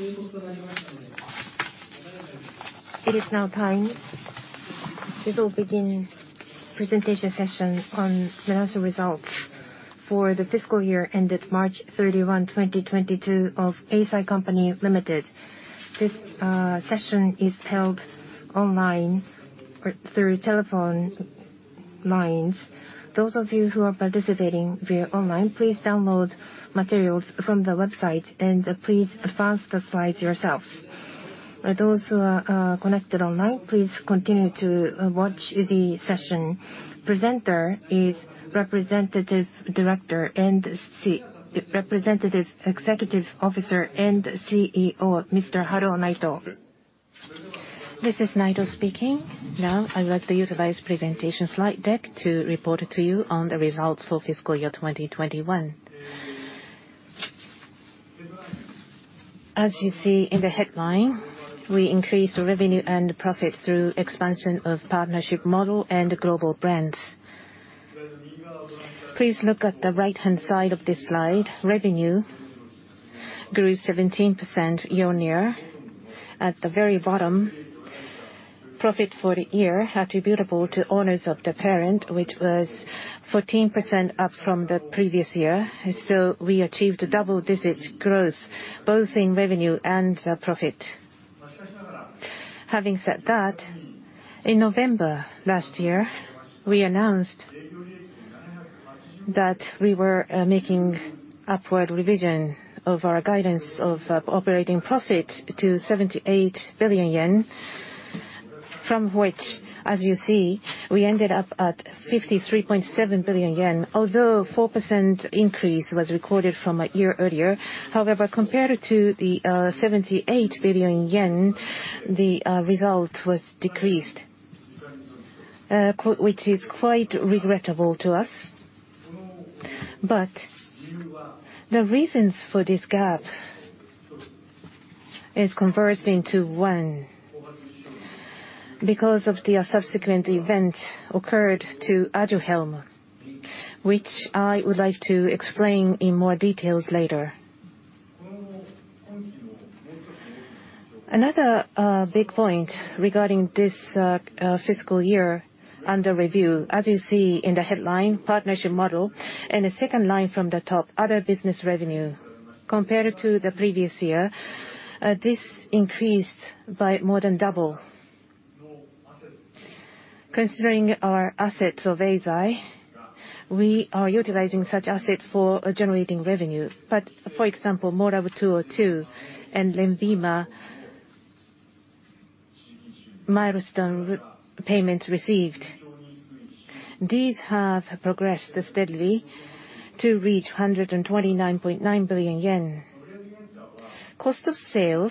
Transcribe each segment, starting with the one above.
It is now time. We will begin presentation session on financial results for the fiscal year ended March 31, 2022 of Eisai Co., Ltd. This session is held online or through telephone lines. Those of you who are participating via online, please download materials from the website and please advance the slides yourselves. Those who are connected online, please continue to watch the session. Presenter is Representative Director, Representative Corporate Officer and CEO, Mr. Haruo Naito. This is Haruo Naito speaking. Now, I would like to utilize presentation Slide deck to report to you on the results for fiscal year 2021. As you see in the headline, we increased revenue and profit through expansion of partnership model and global brands. Please look at the right-hand side of this Slide. Revenue grew 17% year-on-year. At the very bottom, profit for the year attributable to owners of the parent, which was 14% up from the previous year. We achieved double-digit growth both in revenue and profit. Having said that, in November last year, we announced that we were making upward revision of our guidance of operating profit to 78 billion yen, from which, as you see, we ended up at 53.7 billion yen. Although a 4% increase was recorded from a year earlier, however, compared to the 78 billion yen, the result was decreased, which is quite regrettable to us. The reasons for this gap converged into one. Because of the subsequent event that occurred to Aduhelm, which I would like to explain in more detail later. Another big point regarding this fiscal year under review, as you see in the headline, partnership model, and the second line from the top, other business revenue. Compared to the previous year, this increased by more than double. Considering our assets of Eisai, we are utilizing such assets for generating revenue. For example, MOR202 and LENVIMA milestone payments received. These have progressed steadily to reach 129.9 billion yen. Cost of sales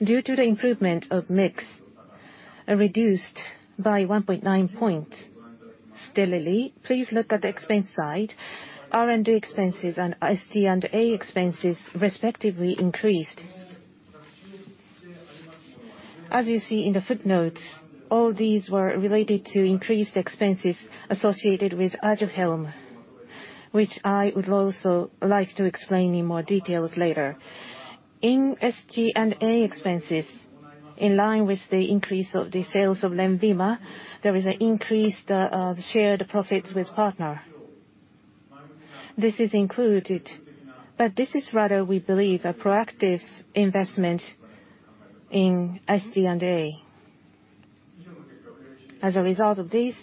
due to the improvement of mix are reduced by 1.9 points steadily. Please look at the expense side. R&D expenses and SG&A expenses respectively increased. As you see in the footnotes, all these were related to increased expenses associated with Aduhelm, which I would also like to explain in more details later. In SG&A expenses, in line with the increase of the sales of LENVIMA, there is an increased shared profits with partner. This is included, but this is rather, we believe, a proactive investment in SG&A. As a result of this,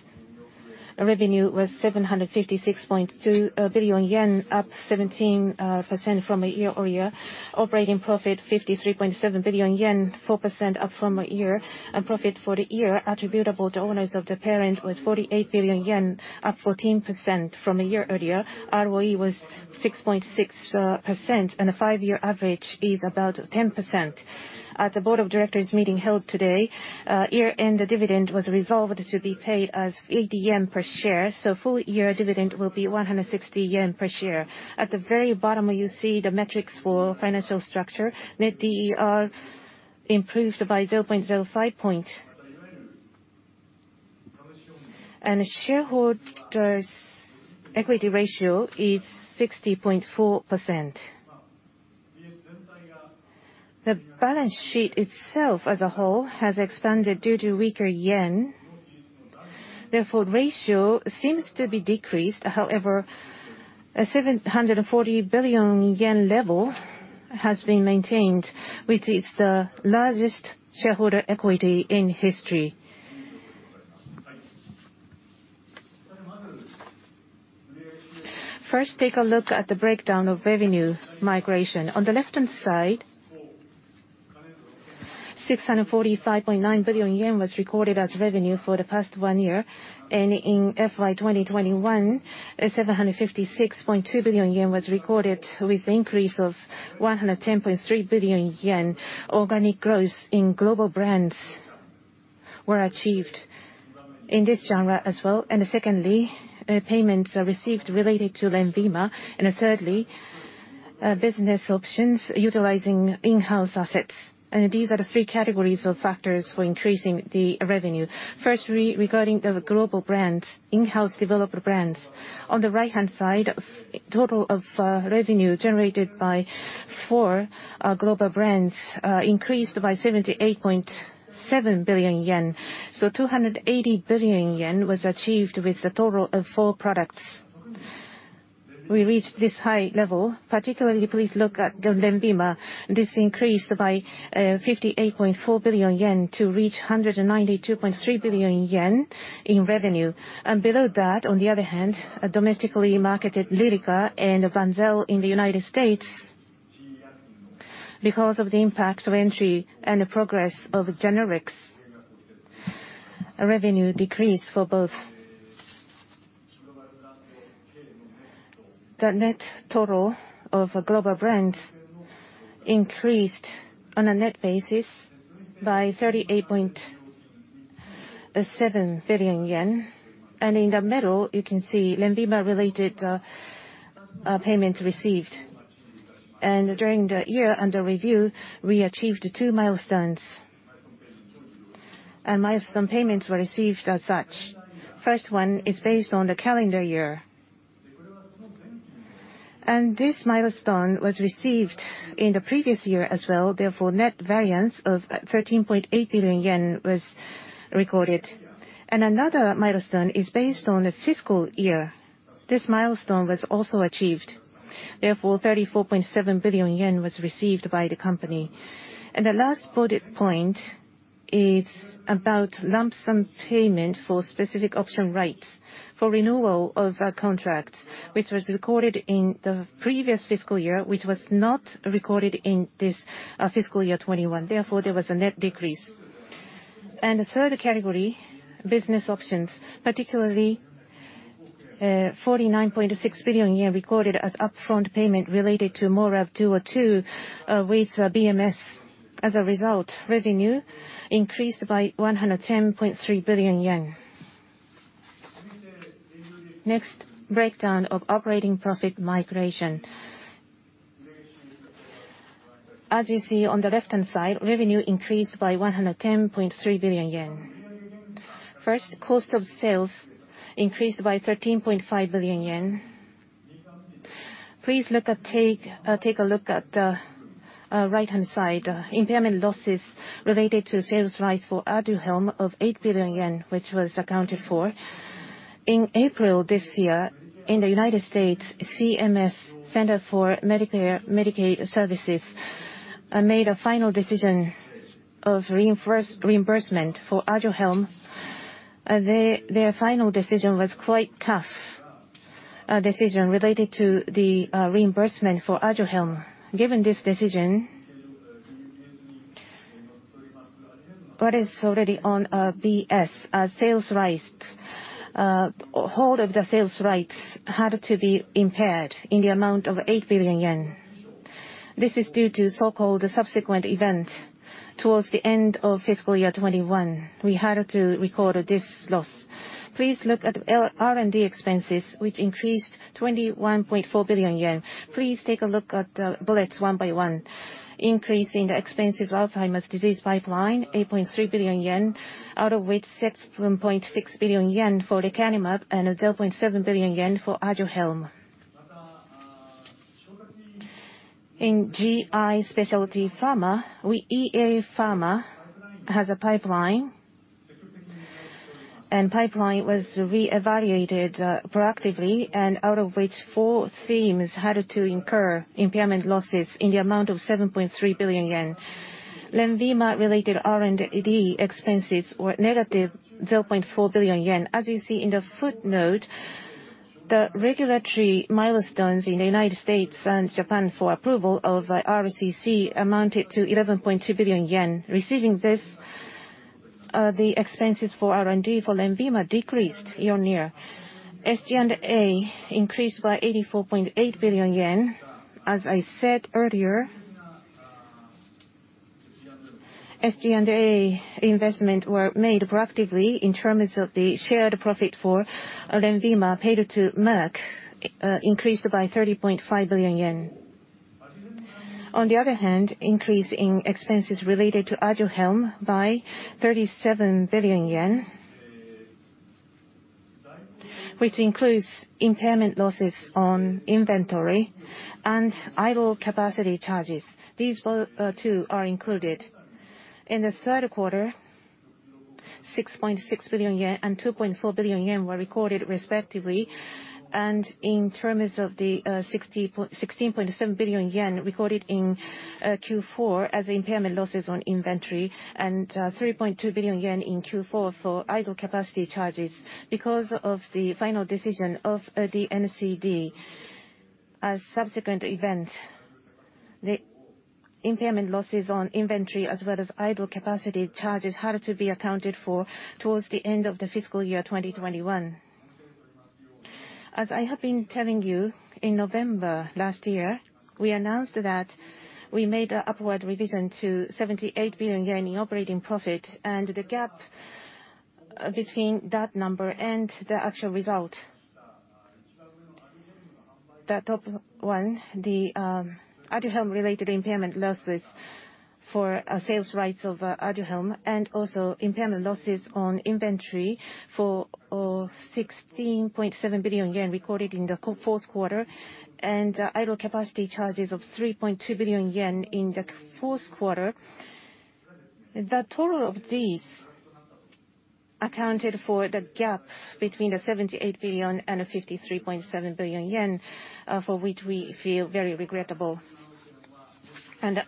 our revenue was 756.2 billion yen, up 17% year over year. Operating profit, 53.7 billion yen, 4% up year-over-year. Profit for the year attributable to owners of the parent was 48 billion yen, up 14% from a year earlier. ROE was 6.6%, and a five-year average is about 10%. At the board of directors meeting held today, year-end dividend was resolved to be paid as 80 yen per share, so full-year dividend will be 160 yen per share. At the very bottom, you see the metrics for financial structure. Net D/E improved by 0.05 points. Shareholder's equity ratio is 60.4%. The balance sheet itself as a whole has expanded due to weaker yen, therefore ratio seems to be decreased. However, a 740 billion yen level has been maintained, which is the largest shareholder equity in history. First, take a look at the breakdown of revenue migration. On the left-hand side, 645.9 billion yen was recorded as revenue for the past one year. In FY 2021, 756.2 billion yen was recorded with increase of 110.3 billion yen. Organic growth in global brands were achieved in this genre as well. Secondly, payments are received related to LENVIMA. Thirdly, business operations utilizing in-house assets. These are the three categories of factors for increasing the revenue. Firstly, regarding the global brands, in-house developer brands. On the right-hand side, total revenue generated by our global brands increased by 78.7 billion yen. 280 billion yen was achieved with the total of four products. We reached this high level, particularly please look at the LENVIMA. This increased by 58.4 billion yen to reach 192.3 billion yen in revenue. Below that, on the other hand, a domestically marketed Lyrica and Banzel in the United States because of the impact of entry and the progress of generics, revenue decreased for both. The net total of global brands increased on a net basis by 38.7 billion yen. In the middle, you can see LENVIMA related payments received. During the year under review, we achieved two milestones. Milestone payments were received as such. First one is based on the calendar year. This milestone was received in the previous year as well, therefore net variance of 13.8 billion yen was recorded. Another milestone is based on the fiscal year. This milestone was also achieved. Therefore, 34.7 billion yen was received by the company. The last bullet point is about lump sum payment for specific option rights for renewal of a contract, which was recorded in the previous fiscal year, which was not recorded in this fiscal year 2021. Therefore, there was a net decrease. The third category, business options, particularly, 49.6 billion yen recorded as upfront payment related to MORAb-202 with BMS. As a result, revenue increased by 110.3 billion yen. Next, breakdown of Operating Profit Margin. As you see on the left-hand side, revenue increased by 110.3 billion yen. First, cost of sales increased by 13.5 billion yen. Please take a look at the right-hand side. Impairment losses related to sales rights for Aduhelm of 8 billion yen, which was accounted for. In April this year in the United States, CMS, Centers for Medicare & Medicaid Services, made a final decision of reimbursement for Aduhelm. Their final decision was quite tough decision related to the reimbursement for Aduhelm. Given this decision, what is already on BS, sales rights, whole of the sales rights had to be impaired in the amount of 8 billion yen. This is due to so-called subsequent event towards the end of fiscal year 2021. We had to record this loss. Please look at R&D expenses, which increased 21.4 billion yen. Please take a look at the bullets one by one. Increase in the expenses for the Alzheimer's disease pipeline, 8.3 billion yen, out of which 6.6 billion yen for lecanemab and 0.7 billion yen for Aduhelm. In GI specialty pharma, EA Pharma has a pipeline, and the pipeline was re-evaluated proactively, and out of which four themes had to incur impairment losses in the amount of 7.3 billion yen. LENVIMA-related R&D expenses were negative 0.4 billion yen. As you see in the footnote, the regulatory milestones in the United States and Japan for approval of the RCC amounted to 11.2 billion yen. Receiving this, the expenses for R&D for LENVIMA decreased year-on-year. SG&A increased by 84.8 billion yen. As I said earlier, SG&A investment were made proactively in terms of the shared profit for LENVIMA paid to Merck, increased by 30.5 billion yen. On the other hand, increase in expenses related to Aduhelm by JPY 37 billion, which includes impairment losses on inventory and idle capacity charges. These two are included. In the third quarter, 6.6 billion yen and 2.4 billion yen were recorded respectively. In terms of the 16.7 billion yen in Q4 as impairment losses on inventory and 3.2 billion yen, In Q4 for idle capacity charges because of the final decision of the NCD as subsequent event. The impairment losses on inventory as well as idle capacity charges had to be accounted for towards the end of the fiscal year 2021. 1As I have been telling you, in November last year, we announced that we made an upward revision to 78 billion yen in operating profit and the gap between that number and the actual result. The top one, the Aduhelm related impairment losses for sales rights of Aduhelm and also impairment losses on inventory for 16.7 billion yen recorded in the fourth quarter, and idle capacity charges of 3.2 billion yen in the fourth quarter. The total of these accounted for the gap between the 78 billion and 53.7 billion yen, for which we feel very regrettable. The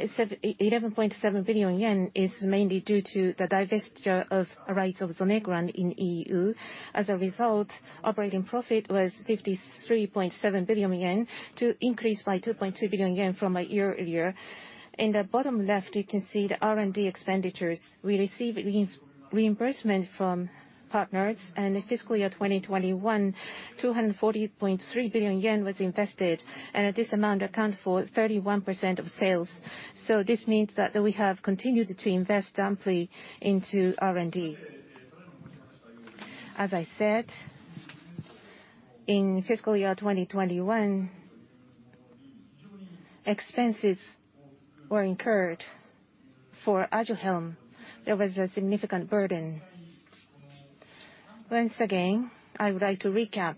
otherJPY 11.7 billion Is mainly due to the divestiture of rights of Zonegran in E.U.. As a result, operating profit was 53.7 billion yen, to increase by 2.2 billion yen from a year earlier. In the bottom left, you can see the R&D expenditures. We receive reimbursement from partners and in fiscal year 2021, 240.3 billion yen was invested, and this amount accounts for 31% of sales. This means that we have continued to invest amply into R&D. As I said, in fiscal year 2021, expenses were incurred for Aduhelm. There was a significant burden. Once again, I would like to recap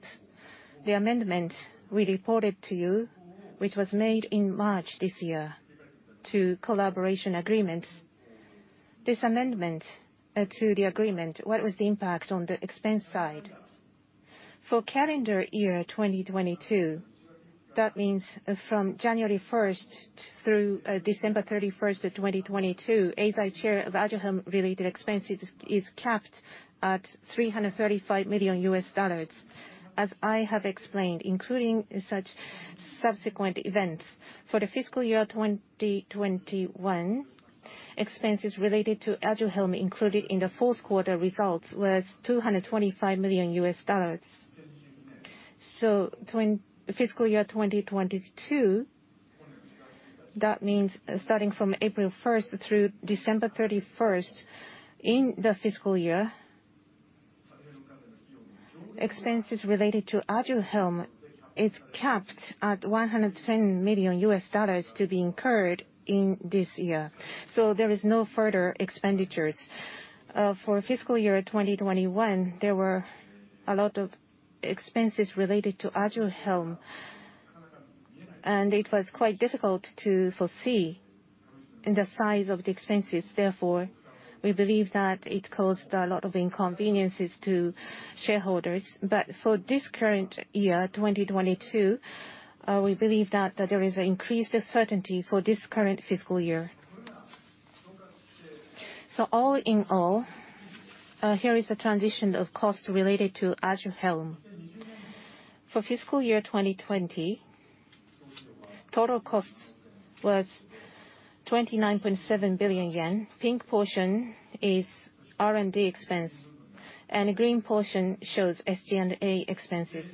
the amendment we reported to you, which was made in March this year to collaboration agreements. This amendment to the agreement, what was the impact on the expense side? For calendar year 2022, that means from January 1 through December 31 of 2022, Eisai's share of Aduhelm-related expenses is capped at $335 million. As I have explained, including such subsequent events, for the fiscal year 2021, expenses related to Aduhelm included in the fourth quarter results was $225 million. Fiscal year 2022, that means starting from April 1 through December 31 in the fiscal year, expenses related to Aduhelm is capped at $110 million to be incurred in this year. There is no further expenditures. For fiscal year 2021, there were a lot of expenses related to Aduhelm, and it was quite difficult to foresee the size of the expenses. Therefore, we believe that it caused a lot of inconveniences to shareholders. For this current year, 2022, we believe that there is an increased certainty for this current fiscal year. All in all, here is the transition of costs related to Aduhelm. For fiscal year 2020, total costs was 29.7 billion yen. Pink portion is R&D expense, and the green portion shows SG&A expenses.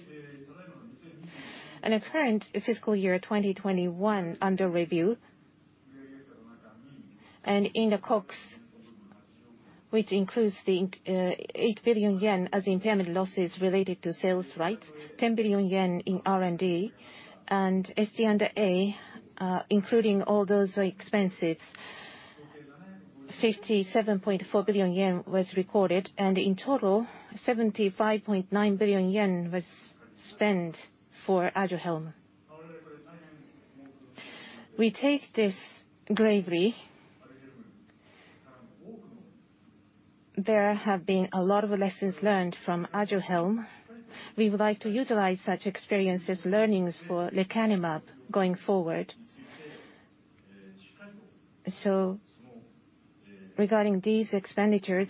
In the current fiscal year, 2021, under review, and in the costs, which includes 8 billion yen as impairment losses related to sales rights, 10 billion yen in R&D, and SG&A, including all those expenses, 57.4 billion yen was recorded, and in total, 75.9 billion yen was spent for Aduhelm. We take this gravely. There have been a lot of lessons learned from Aduhelm. We would like to utilize such experiences, learnings for Lecanemab going forward. Regarding these expenditures,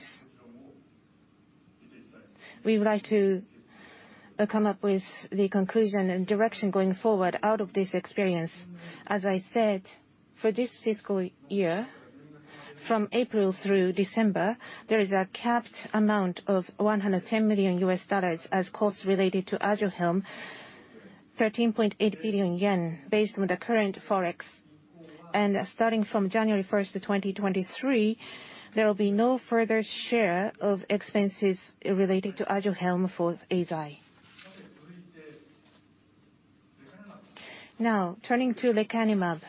we would like to come up with the conclusion and direction going forward out of this experience. As I said, for this fiscal year, from April through December, there is a capped amount of $110 million as costs related to Aduhelm, 13.8 billion yen based on the current FX. Starting from January 1, 2023, there will be no further share of expenses related to Aduhelm for Eisai. Now, turning to Lecanemab.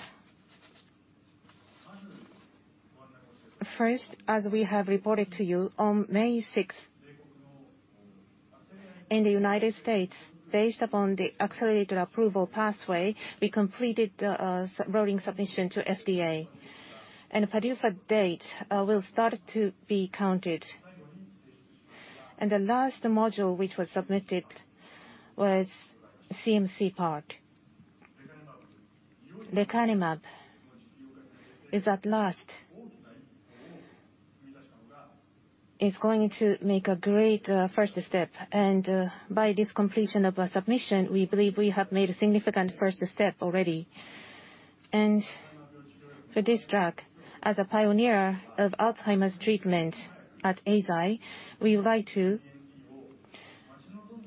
First, as we have reported to you, on May 6, in the United States, based upon the accelerated approval pathway, we completed BLA rolling submission to FDA. The PDUFA date will start to be counted. The last module which was submitted was CMC part. Lecanemab is at last going to make a great first step. By this completion of a submission, we believe we have made a significant first step already. For this drug, as a pioneer of Alzheimer's treatment at Eisai, we would like to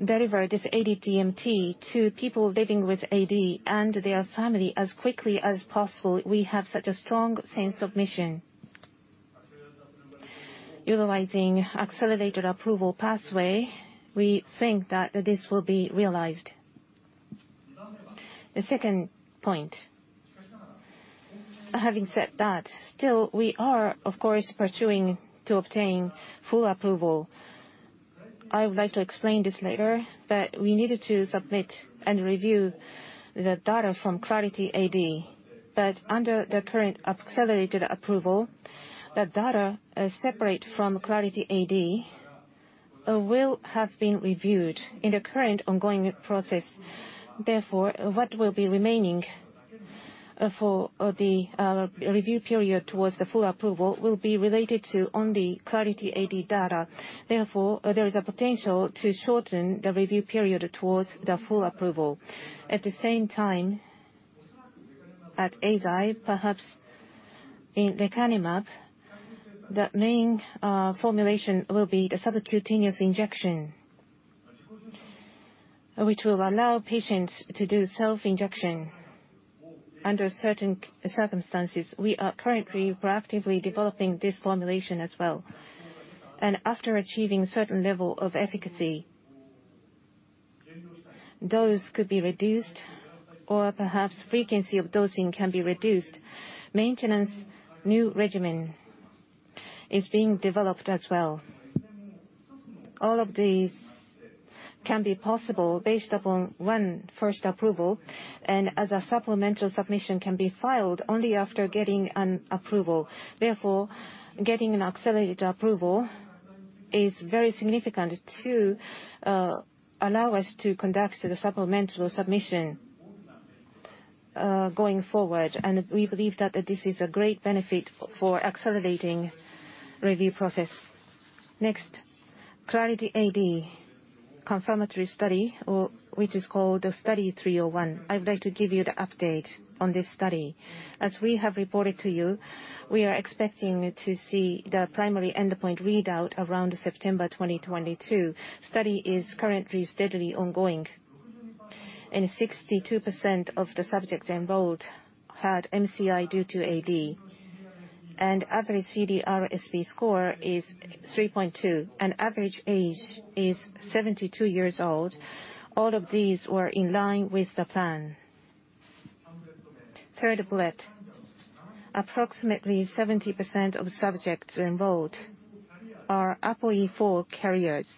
deliver this AD DMT to people living with AD and their family as quickly as possible. We have such a strong sense of mission. Utilizing accelerated approval pathway, we think that this will be realized. The second point. Having said that, still we are of course pursuing to obtain full approval. I would like to explain this later, but we needed to submit and review the data from Clarity AD. Under the current accelerated approval, the data separate from Clarity AD will have been reviewed in the current ongoing process. Therefore, what will be remaining for the review period towards the full approval will be related to only Clarity AD data. Therefore, there is a potential to shorten the review period towards the full approval. At the same time, at Eisai, perhaps in lecanemab, the main formulation will be the subcutaneous injection, which will allow patients to do self-injection under certain circumstances. We are currently proactively developing this formulation as well. After achieving certain level of efficacy, dose could be reduced or perhaps frequency of dosing can be reduced. Maintenance new regimen is being developed as well. All of these can be possible based upon one first approval, and as a supplemental submission can be filed only after getting an approval. Therefore, getting an accelerated approval is very significant to allow us to conduct the supplemental submission going forward. We believe that this is a great benefit for accelerating review process. Next, Clarity AD confirmatory study or which is called the Study 301. I would like to give you the update on this study. As we have reported to you, we are expecting to see the primary endpoint readout around September 2022. Study is currently steadily ongoing, and 62% of the subjects enrolled had MCI due to AD, and average CDR-SB score is 3.2, and average age is 72 years old. All of these were in line with the plan. Third Bullet. Approximately 70% of subjects enrolled are APOE4 carriers.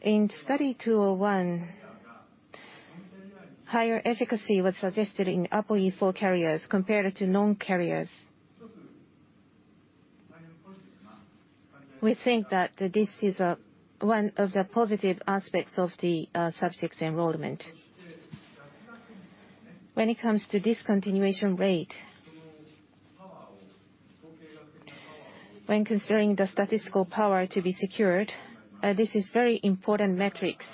In Study 201, higher efficacy was suggested in APOE4 carriers compared to non-carriers. We think that this is one of the positive aspects of the subjects enrollment. When it comes to discontinuation rate, when considering the statistical power to be secured, this is very important metrics.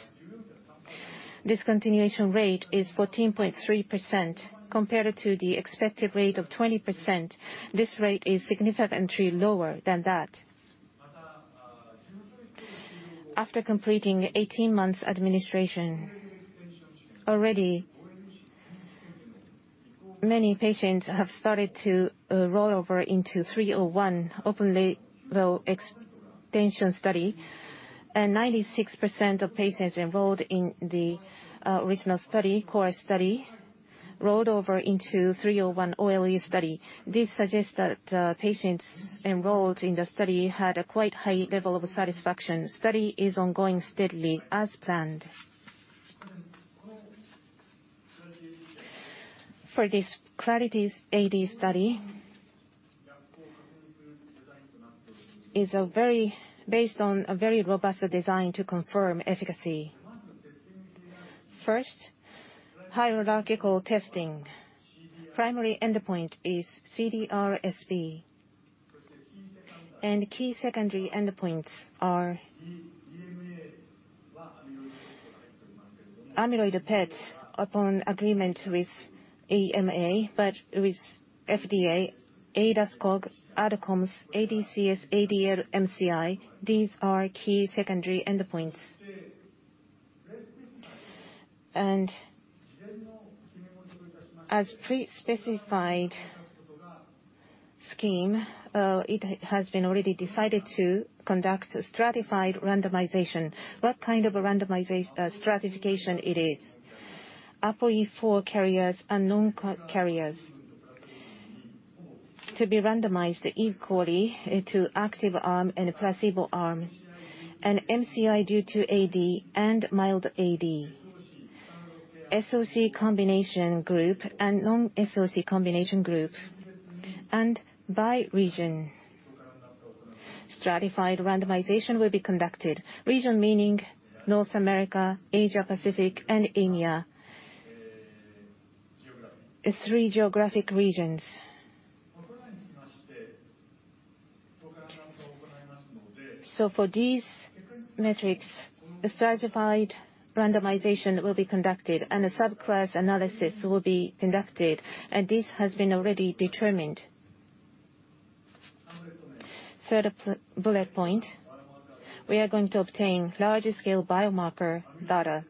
Discontinuation rate is 14.3% compared to the expected rate of 20%. This rate is significantly lower than that. After completing 18 months administration, already many patients have started to roll over into 301 Open Label Extension study and 96% of patients enrolled in the original study, core study, rolled over into 301 OLE study. This suggests that patients enrolled in the study had a quite high level of satisfaction. Study is ongoing steadily as planned. For this Clarity AD study is a very based on a very robust design to confirm efficacy. First, hierarchical testing. Primary endpoint is CDR-SB and key secondary endpoints are amyloid PET upon agreement with EMA but with FDA, ADAS-Cog, ADCOMS, ADCS-ADL-MCI. These are key secondary endpoints. As pre-specified scheme, it has been already decided to conduct a stratified randomization. What kind of a randomization stratification it is? APOE4 carriers and known carriers to be randomized equally to active arm and placebo arm, and MCI due to AD and mild AD, SoC combination group and non-SoC combination group. By region, stratified randomization will be conducted. Region meaning North America, Asia Pacific, and India. Three geographic regions. For these metrics, a stratified randomization will be conducted, and a subclass analysis will be conducted, and this has been already determined. Third bullet point, we are going to obtain larger scale biomarker data.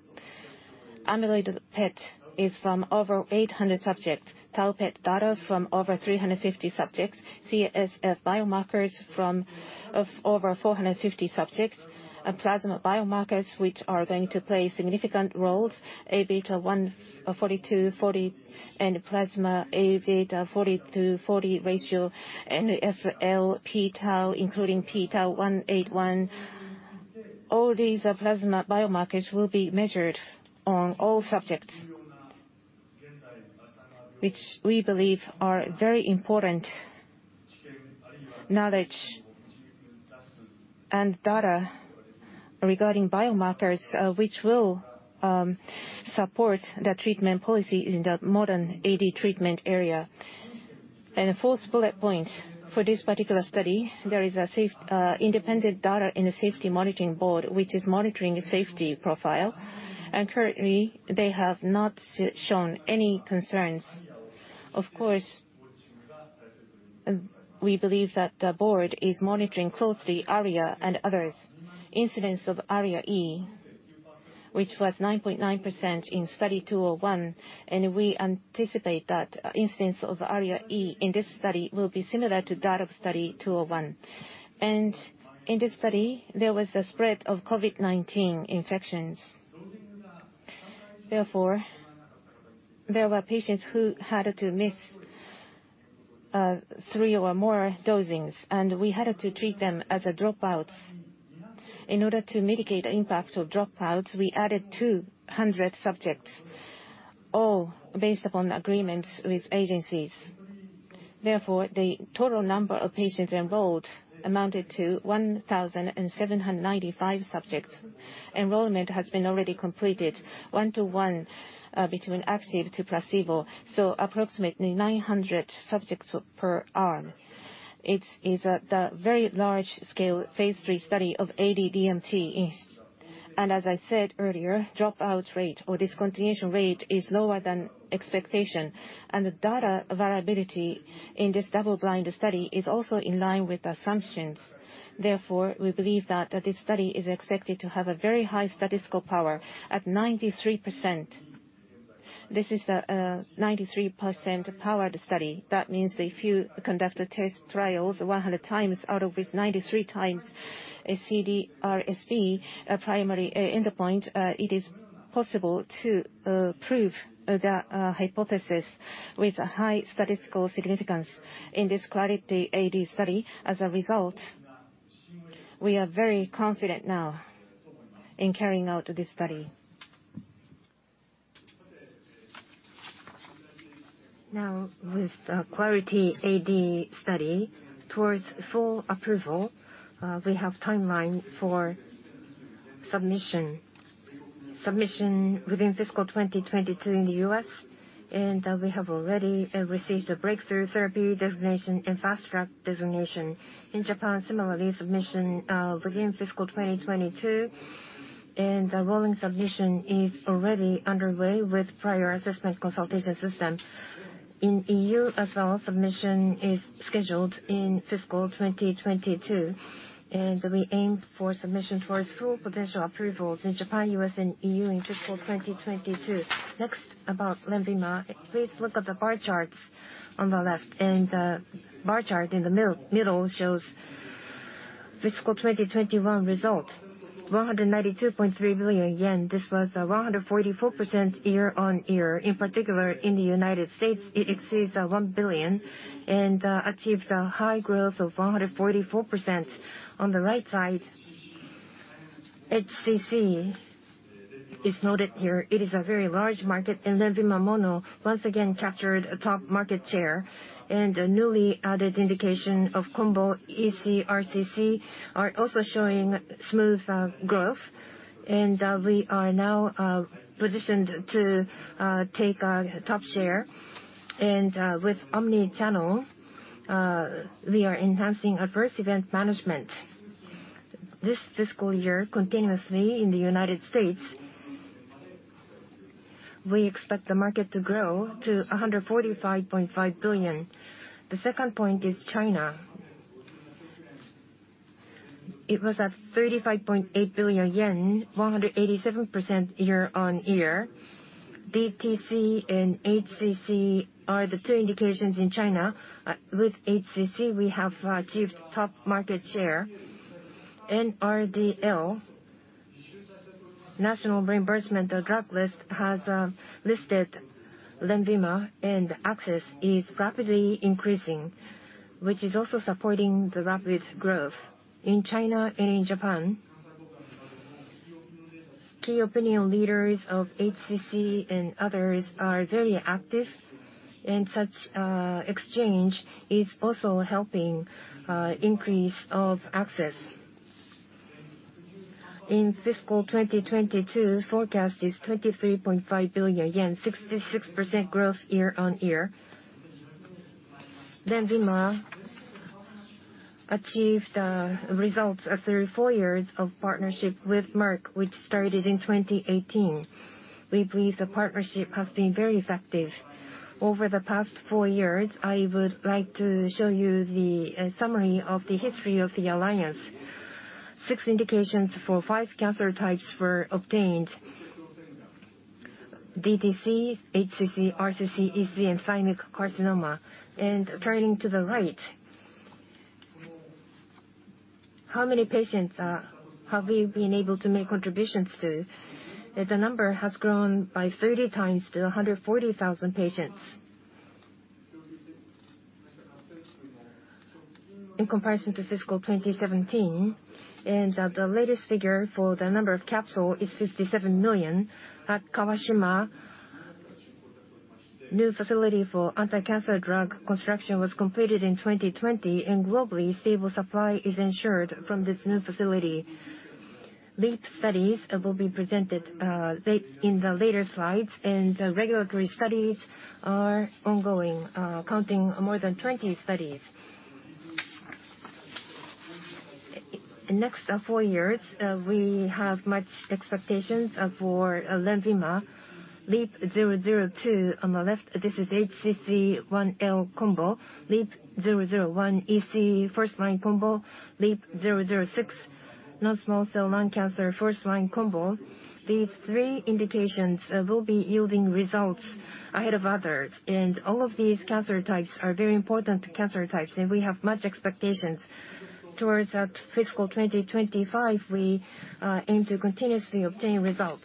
Amyloid PET is from over 800 subjects, tau PET data from over 350 subjects, CSF biomarkers from over 450 subjects, and plasma biomarkers which are going to play significant roles, Aβ42, Aβ40, and plasma Aβ42/40 ratio, and p-tau, including p-tau181. All these plasma biomarkers will be measured on all subjects, which we believe are very important knowledge and data regarding biomarkers, which will support the treatment policy in the modern AD treatment area. Fourth bullet point, for this particular study, there is an independent data and safety monitoring board, which is monitoring safety profile. Currently, they have not shown any concerns. Of course, we believe that the board is monitoring closely ARIA and others. Incidence of ARIA-E, which was 9.9% in Study 201, and we anticipate that instance of ARIA-E in this study will be similar to that of Study 201. In this study, there was a spread of COVID-19 infections. Therefore, there were patients who had to miss three or more dosings, and we had to treat them as dropouts. In order to mitigate the impact of dropouts, we added 200 subjects, all based upon agreements with agencies. Therefore, the total number of patients enrolled amounted to 1,795 subjects. Enrollment has been already completed 1:1 between active to placebo, so approximately 900 subjects per arm. It is a very large-scale phase III study of AD DMTs. As I said earlier, dropout rate or discontinuation rate is lower than expectation, and the data variability in this double-blind study is also in line with assumptions. Therefore, we believe that this study is expected to have a very high statistical power at 93%. This is the 93% powered study. That means if you conduct a test trials 100x out of this 93x, a CDR-SB, a primary endpoint, it is possible to prove the hypothesis with a high statistical significance in this Clarity AD study. As a result, we are very confident now in carrying out this study. Now with the Clarity AD study, towards full approval, we have timeline for submission. Submission within fiscal 2022 in the U.S., and we have already received a Breakthrough Therapy designation and Fast Track designation. In Japan, similarly, submission within fiscal 2022, and the rolling submission is already underway with prior assessment consultation system. In EU as well, submission is scheduled in fiscal 2022, and we aim for submission towards full potential approvals in Japan, U.S., and EU in fiscal 2022. Next, about LENVIMA. Please look at the bar charts on the left, and the bar chart in the middle shows fiscal 2021 result, 192.3 billion yen. This was 144% year-on-year. In particular, in the United States, it exceeds $1 billion and achieved a high growth of 144%. On the right side, HCC is noted here. It is a very large market, and LENVIMA mono once again captured a top market share. A newly added indication of combo aRCC is also showing smooth growth. We are now positioned to take a top share. With omni-channel, we are enhancing adverse event management. This fiscal year, continuing in the United States, we expect the market to grow to $145.5 billion. The second point is China. It was at JPY 35.8 billion, 187% year-on-year. BTC and HCC are the two indications in China. With HCC, we have achieved top market share. NRDL, National Reimbursement Drug List, has listed LENVIMA and access is rapidly increasing, which is also supporting the rapid growth. In China and in Japan, key opinion leaders of HCC and others are very active, and such exchange is also helping increase of access. In fiscal 2022, forecast is 23.5 billion yen, 66% growth year-on-year. LENVIMA achieved results of JPY 34 billion from the partnership with Merck, which started in 2018. We believe the partnership has been very effective. Over the past four years, I would like to show you the summary of the history of the alliance. Six indications for five cancer types were obtained. DTC, HCC, RCC, EC, and pancreatic carcinoma. Turning to the right. How many patients have we been able to make contributions to? The number has grown by 30x to 140,000 patients. In comparison to fiscal 2017, the latest figure for the number of capsules is 57 million. At Kawashima, new facility for anti-cancer drug construction was completed in 2020, and globally stable supply is ensured from this new facility. LEAP studies will be presented late in the later slides, and regulatory studies are ongoing counting more than 20 studies. In the next four years, we have much expectations for LENVIMA, LEAP-002. On the left, this is HCC + L combo. LEAP-001 EC first-line combo. LEAP-006 non-small cell lung cancer first-line combo. These three indications will be yielding results ahead of others. All of these cancer types are very important cancer types, and we have much expectations. Toward fiscal 2025, we aim to continuously obtain results.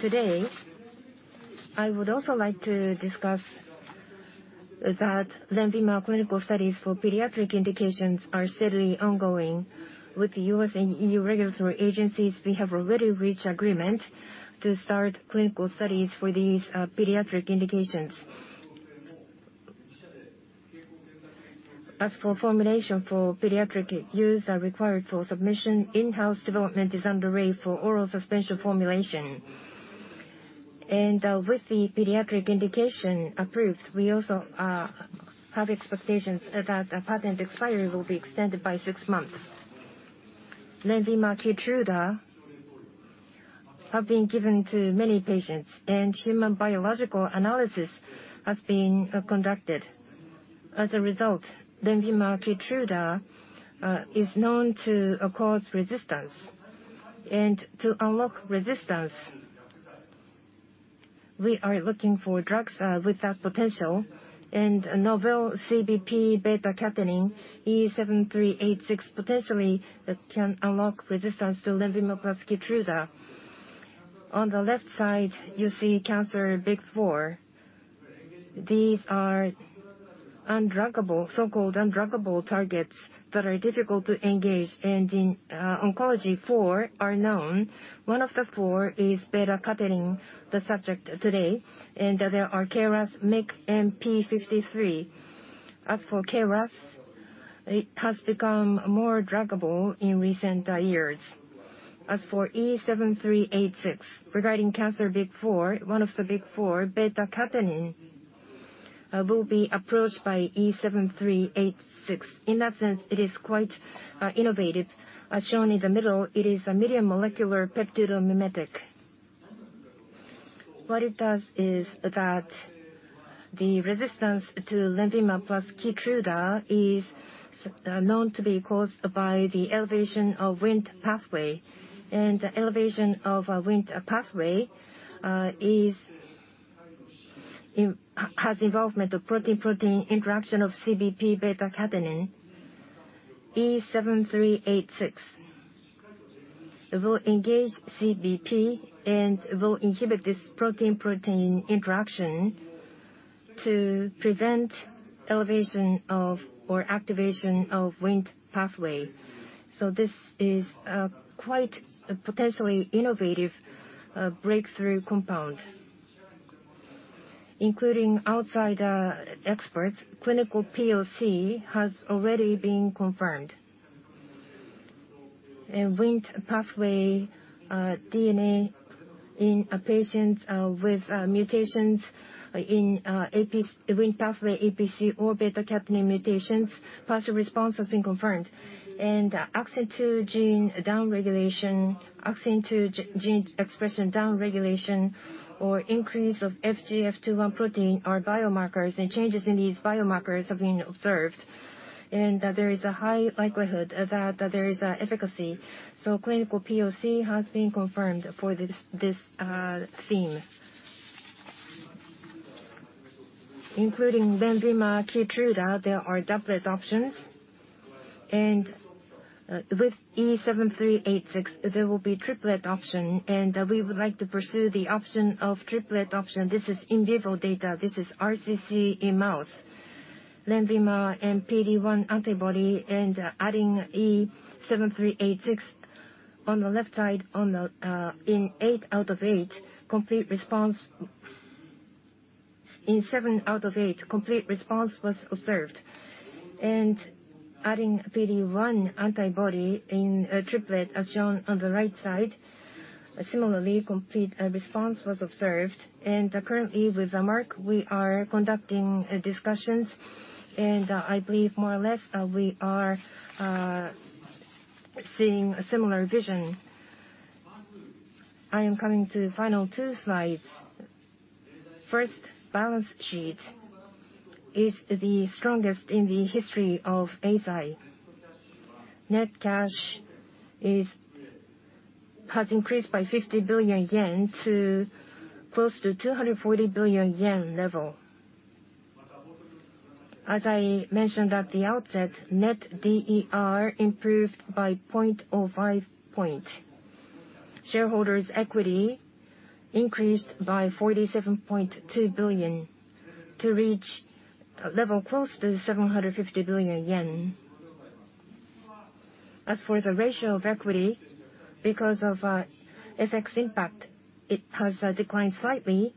Today, I would also like to discuss that LENVIMA clinical studies for pediatric indications are steadily ongoing. With U.S. and EU regulatory agencies, we have already reached agreement to start clinical studies for these pediatric indications. As for formulation for pediatric use are required for submission, in-house development is underway for oral suspension formulation. With the pediatric indication approved, we also have expectations that a patent expiry will be extended by six months. LENVIMA KEYTRUDA have been given to many patients, and human biological analysis has been conducted. As a result, LENVIMA KEYTRUDA is known to cause resistance. To unlock resistance, we are looking for drugs with that potential. Novel CBP /β-catenin E7386 potentially can unlock resistance to LENVIMA plus KEYTRUDA. On the left side, you see cancer big four. These are undruggable, so-called undruggable targets that are difficult to engage. In oncology, four are known. One of the four is β-catenin, the subject today. There are KRAS, MYC, and p53. As for KRAS, it has become more druggable in recent years. As for E7386, regarding cancer big four, one of the big four, beta-catenin will be approached by E7386. In that sense, it is quite innovative. As shown in the middle, it is a medium molecular peptidomimetic. What it does is that the resistance to LENVIMA plus KEYTRUDA is known to be caused by the elevation of WNT pathway. The elevation of a WNT pathway has involvement of protein-protein interaction of CBP beta-catenin. E7386 will engage CBP and will inhibit this protein-protein interaction to prevent elevation of, or activation of WNT pathway. This is quite a potentially innovative breakthrough compound. Including outsider experts, clinical POC has already been confirmed. In WNT pathway dependent in a patient with mutations in APC or beta-catenin mutations, partial response has been confirmed. AXIN2 gene downregulation, AXIN2 gene expression downregulation, or increase of FGF21 protein are biomarkers, and changes in these biomarkers have been observed. There is a high likelihood that there is efficacy. Clinical POC has been confirmed for this theme. Including LENVIMA KEYTRUDA, there are doublet options. With E7386, there will be triplet option. We would like to pursue the option of triplet option. This is in vivo data. This is RCC in mouse. LENVIMA and PD-1 antibody and adding E7386. On the left side, in eight out of eight, complete response. In seven out of eight, complete response was observed. Adding PD-1 antibody in a triplet, as shown on the right side, similarly, complete response was observed. Currently with Merck, we are conducting discussions. I believe more or less we are seeing a similar vision. I am coming to final 2 Slides. First, balance sheet is the strongest in the history of Eisai. Net cash has increased by 50 billion yen to close to 240 billion yen level. As I mentioned at the outset, net D/E ratio improved by 0.05 point. Shareholders' equity increased by 47.2 billion to reach a level close to 750 billion yen. As for the ratio of equity, because of FX impact, it has declined slightly.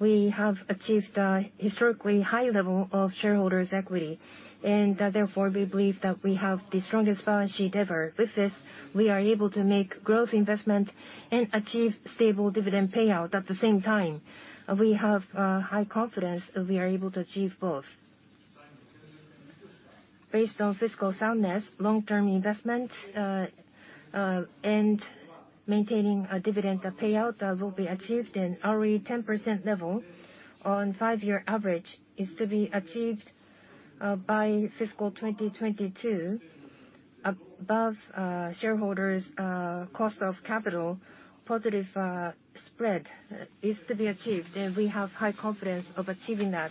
We have achieved a historically high level of shareholders' equity. Therefore, we believe that we have the strongest balance sheet ever. With this, we are able to make growth investment and achieve stable dividend payout at the same time. We have high confidence that we are able to achieve both. Based on fiscal soundness, long-term investment and maintaining a dividend, the payout will be achieved in ROE 10% level on 5-year average is to be achieved by fiscal 2022 above shareholders' cost of capital. Positive spread is to be achieved, and we have high confidence of achieving that.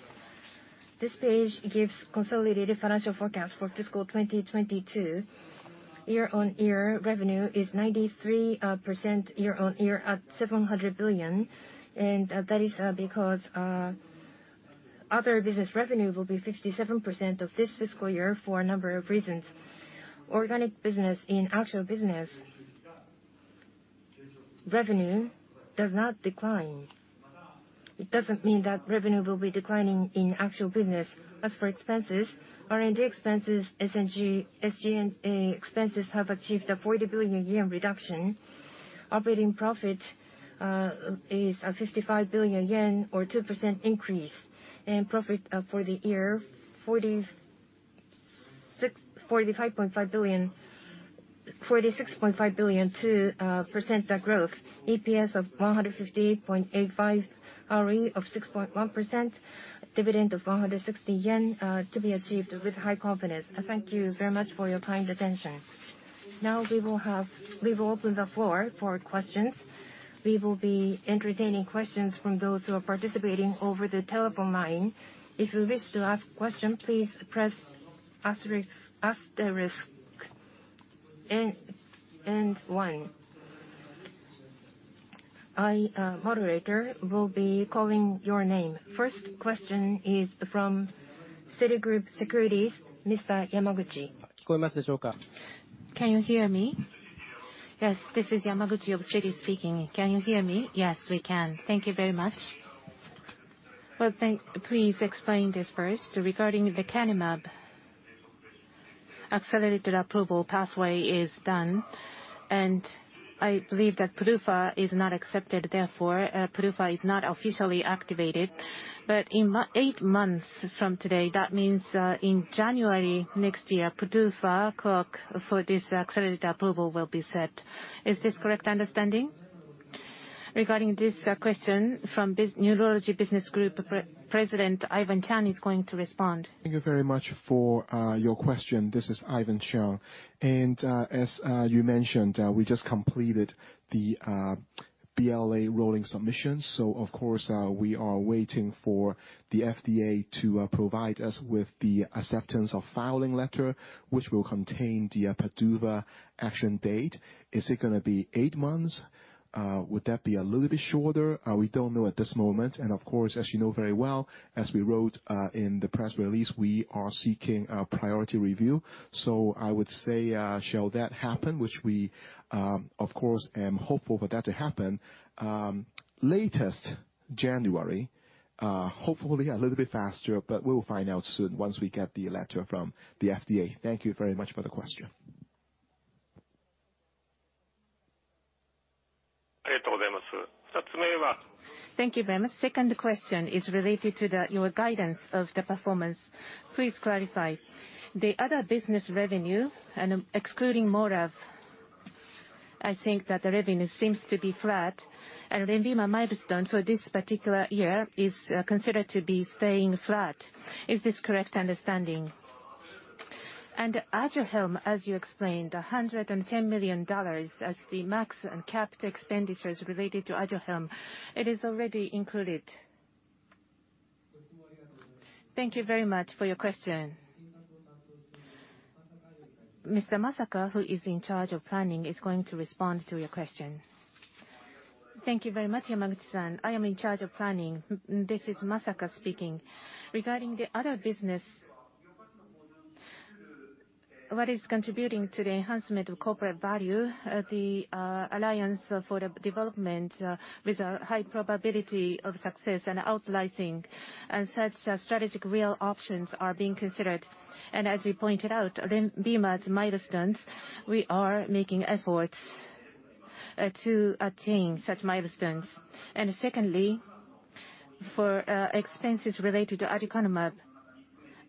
This page gives consolidated financial forecast for fiscal 2022. Year-on-year revenue is 93% year-on-year at JPY 700 billion. That is because other business revenue will be 57% of this fiscal year for a number of reasons. Organic business in actual business, revenue does not decline. It doesn't mean that revenue will be declining in actual business. As for expenses, R&D expenses, S&G, SG&A expenses have achieved a 40 billion yen reduction. Operating profit is 55 billion yen, 2% increase. Profit for the year, 45.5 billion-46.5 billion, 2% growth. EPS of 150.85, ROE of 6.1%, dividend of 160 yen to be achieved with high confidence. Thank you very much for your kind attention. Now we will open the floor for questions. We will be entertaining questions from those who are participating over the telephone line. First question is from Citigroup Global Markets Japan Inc, Mr. Yamaguchi. Can you hear me? Yes. This is Yamaguchi of Citi speaking. Can you hear me? Yes, we can. Thank you very much. Please explain this first. Regarding the lecanemab, accelerated approval pathway is done, and I believe that PDUFA is not accepted, therefore, PDUFA is not officially activated. In eight months from today, that means, in January next year, PDUFA clock for this accelerated approval will be set. Is this correct understanding? Regarding this question, Neurology Business Group President Ivan Cheung is going to respond. Thank you very much for your question. This is Ivan Cheung. As you mentioned, we just completed the BLA rolling submission. Of course, we are waiting for the FDA to provide us with the acceptance of filing letter, which will contain the PDUFA action date. Is it gonna be eight months? Would that be a little bit shorter? We don't know at this moment. Of course, as you know very well, as we wrote in the press release, we are seeking a priority review. I would say, shall that happen, which we, of course, am hopeful for that to happen, latest January, hopefully a little bit faster, but we'll find out soon once we get the letter from the FDA. Thank you very much for the question. Thank you very much. Second question is related to your guidance of the performance. Please clarify. The other business revenue and excluding MORAb, I think that the revenue seems to be flat and LENVIMA milestone for this particular year is considered to be staying flat. Is this correct understanding? Aduhelm, as you explained, $110 million as the max and capped expenditures related to Aduhelm, it is already included. Thank you very much for your question. Mr. Masaka, who is in charge of planning, is going to respond to your question. Thank you very much, Yamaguchi-san. I am in charge of planning. This is Masaka speaking. Regarding the other business, what is contributing to the enhancement of corporate value, the alliance for the development with a high probability of success and outlicensing and such strategic real options are being considered. As you pointed out, LENVIMA's milestones, we are making efforts to attain such milestones. Secondly- For expenses related to aducanumab,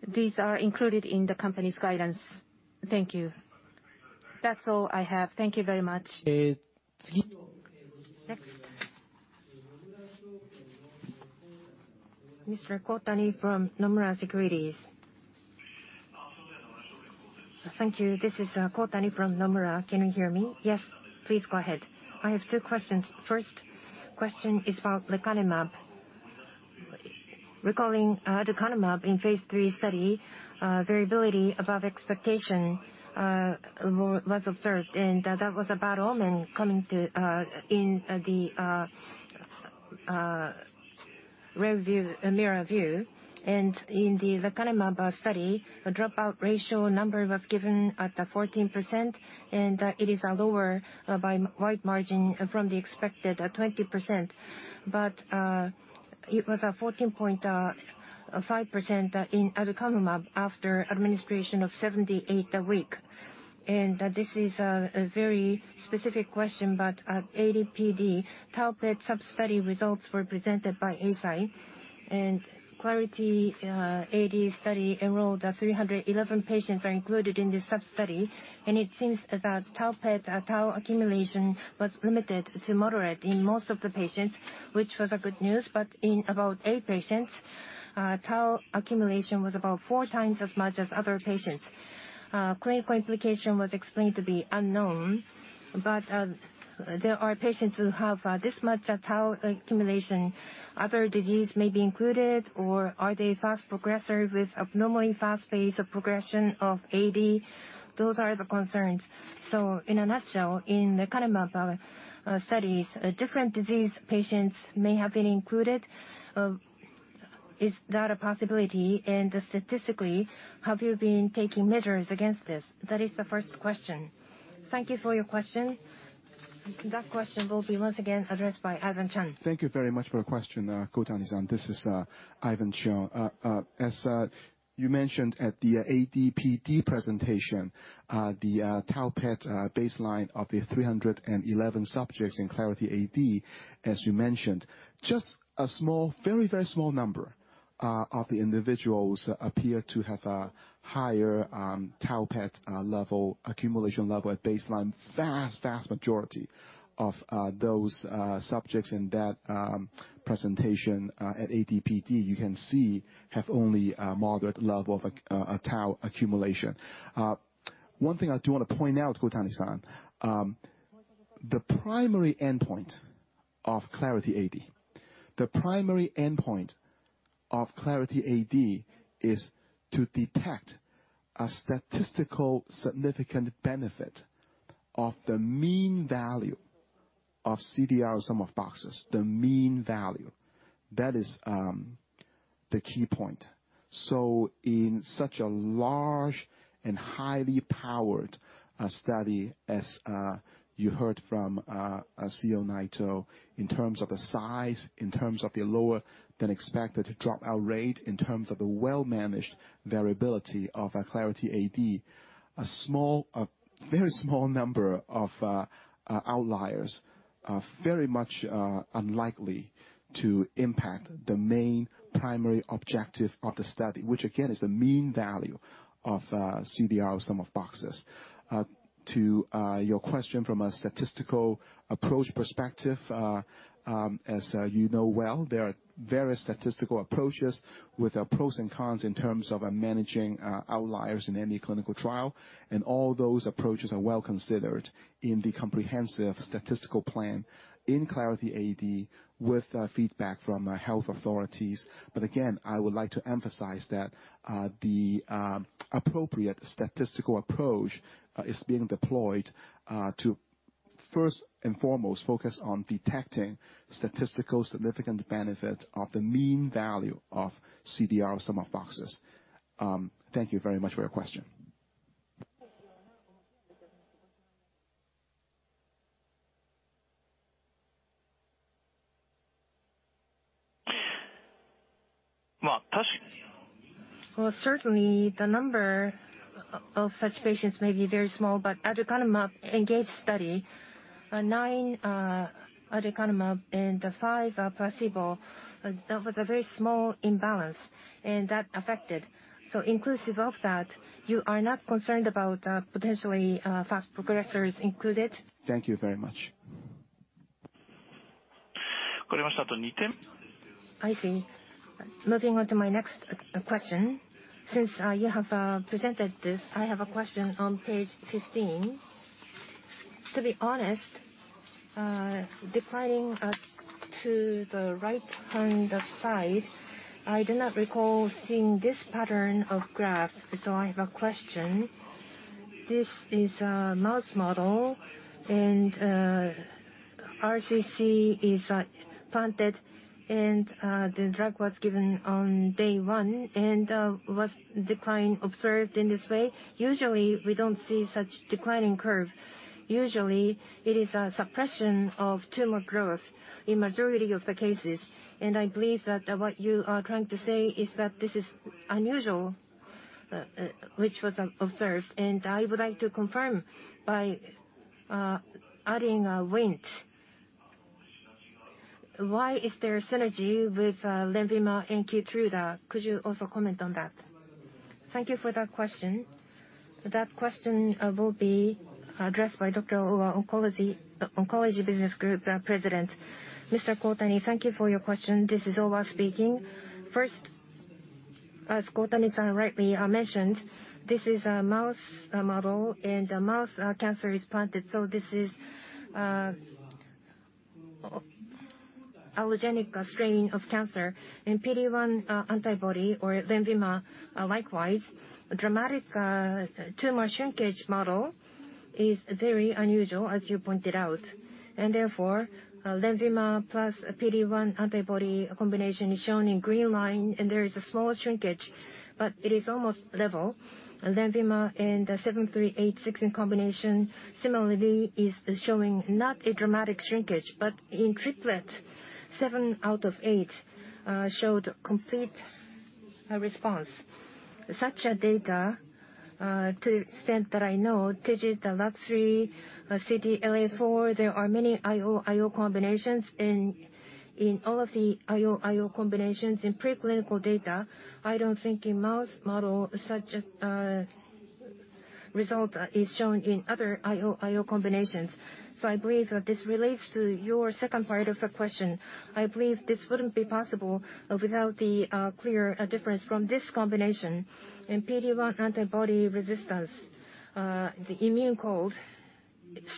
these are included in the company's guidance. Thank you. That's all I have. Thank you very much. Next. Mr. Kotani from Nomura Securities. Thank you. This is Kotani from Nomura. Can you hear me? Yes. Please go ahead. I have two questions. First question is about lecanemab. Recalling aducanumab in phase III study, variability above expectation, was observed, and that was a bad omen coming into the rearview mirror. In the Lecanemab study, the dropout ratio number was given at 14%. It is lower by wide margin from the expected 20%. It was 14.5% in aducanumab after administration of 78 weeks. This is a very specific question, but at ADPD, tau PET sub-study results were presented by Eisai. CLARITY AD study enrolled 311 patients are included in this sub-study. It seems that tau PET tau accumulation was limited to moderate in most of the patients, which was good news. In about eight patients, tau accumulation was about 4x as much as other patients. Clinical implication was explained to be unknown. There are patients who have this much of tau accumulation. Other disease may be included, or are they fast progressor with abnormally fast pace of progression of AD? Those are the concerns. In a nutshell, in Lecanemab studies, different disease patients may have been included. Is that a possibility? Statistically, have you been taking measures against this? That is the first question. Thank you for your question. That question will be once again addressed by Ivan Cheung. Thank you very much for the question, Kotani-san. This is Ivan Cheung. As you mentioned at the ADPD presentation, the tau PET baseline of the 311 subjects in CLARITY AD, as you mentioned, just a small, very, very small number of the individuals appear to have a higher tau PET level, accumulation level at baseline. Vast, vast majority of those subjects in that presentation at ADPD, you can see have only a moderate level of tau accumulation. One thing I do want to point out, Kotani-san, the primary endpoint of CLARITY AD, the primary endpoint of CLARITY AD is to detect a statistically significant benefit of the mean value of CDR sum of boxes, the mean value. That is the key point. In such a large and highly powered study as you heard from CEO Naito, in terms of the size, in terms of the lower than expected dropout rate, in terms of the well-managed variability of Clarity AD, a very small number of outliers are very much unlikely to impact the main primary objective of the study, which again is the mean value of CDR sum of boxes. To your question from a statistical approach perspective, as you know well, there are various statistical approaches with pros and cons in terms of managing outliers in any clinical trial. All those approaches are well considered in the comprehensive statistical plan in Clarity AD with feedback from health authorities. Again, I would like to emphasize that the appropriate statistical approach is being deployed to first and foremost focus on detecting statistically significant benefit of the mean value of CDR sum of boxes. Thank you very much for your question. Well, certainly the number of such patients may be very small, but Aducanumab ENGAGE Study, Nine Aducanumab and five placebo. That was a very small imbalance, and that affected. Inclusive of that, you are not concerned about potentially fast progressors included? Thank you very much. I see. Moving on to my next question. Since you have presented this, I have a question on Page 15. To be honest, declining to the right-hand side, I do not recall seeing this pattern of graph. I have a question. This is a mouse model, and RCC is implanted, and the drug was given on day one, and was decline observed in this way? Usually, we don't see such declining curve. Usually, it is a suppression of tumor growth in majority of the cases. I believe that what you are trying to say is that this is unusual, which was observed. I would like to confirm by adding WNT. Why is there synergy with LENVIMA and KEYTRUDA? Could you also comment on that? Thank you for that question. That question will be addressed by Dr. Owa, Oncology Business Group President. Mr. Kotani, thank you for your question. This is Owa speaking. First, as Kotani-san rightly mentioned, this is a mouse model and a mouse cancer is implanted. This is allogeneic strain of cancer and PD-1 antibody or LENVIMA likewise dramatic tumor shrinkage model is very unusual, as you pointed out. Therefore, LENVIMA plus PD-1 antibody combination is shown in green line, and there is a smaller shrinkage, but it is almost level. LENVIMA and the E7386 in combination similarly is showing not a dramatic shrinkage, but in triplet 7/8 showed complete response. Such data to the extent that I know, TIGIT, LAG-3, CTLA-4, there are many IO-IO combinations. In all of the IO-IO combinations in pre-clinical data, I don't think in mouse model such a result is shown in other IO-IO combinations. I believe this relates to your second part of the question. I believe this wouldn't be possible without the clear difference from this combination. In PD-1 antibody resistance, the immune cold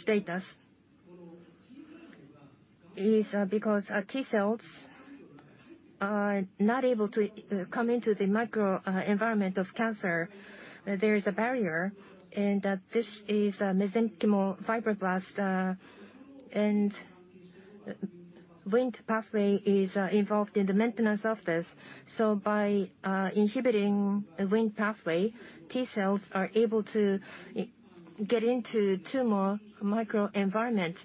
status is because our T-cells are not able to come into the microenvironment of cancer. There is a barrier, and that this is a mesenchymal fibroblast. WNT pathway is involved in the maintenance of this. By inhibiting a WNT pathway, T-cells are able to get into tumor microenvironment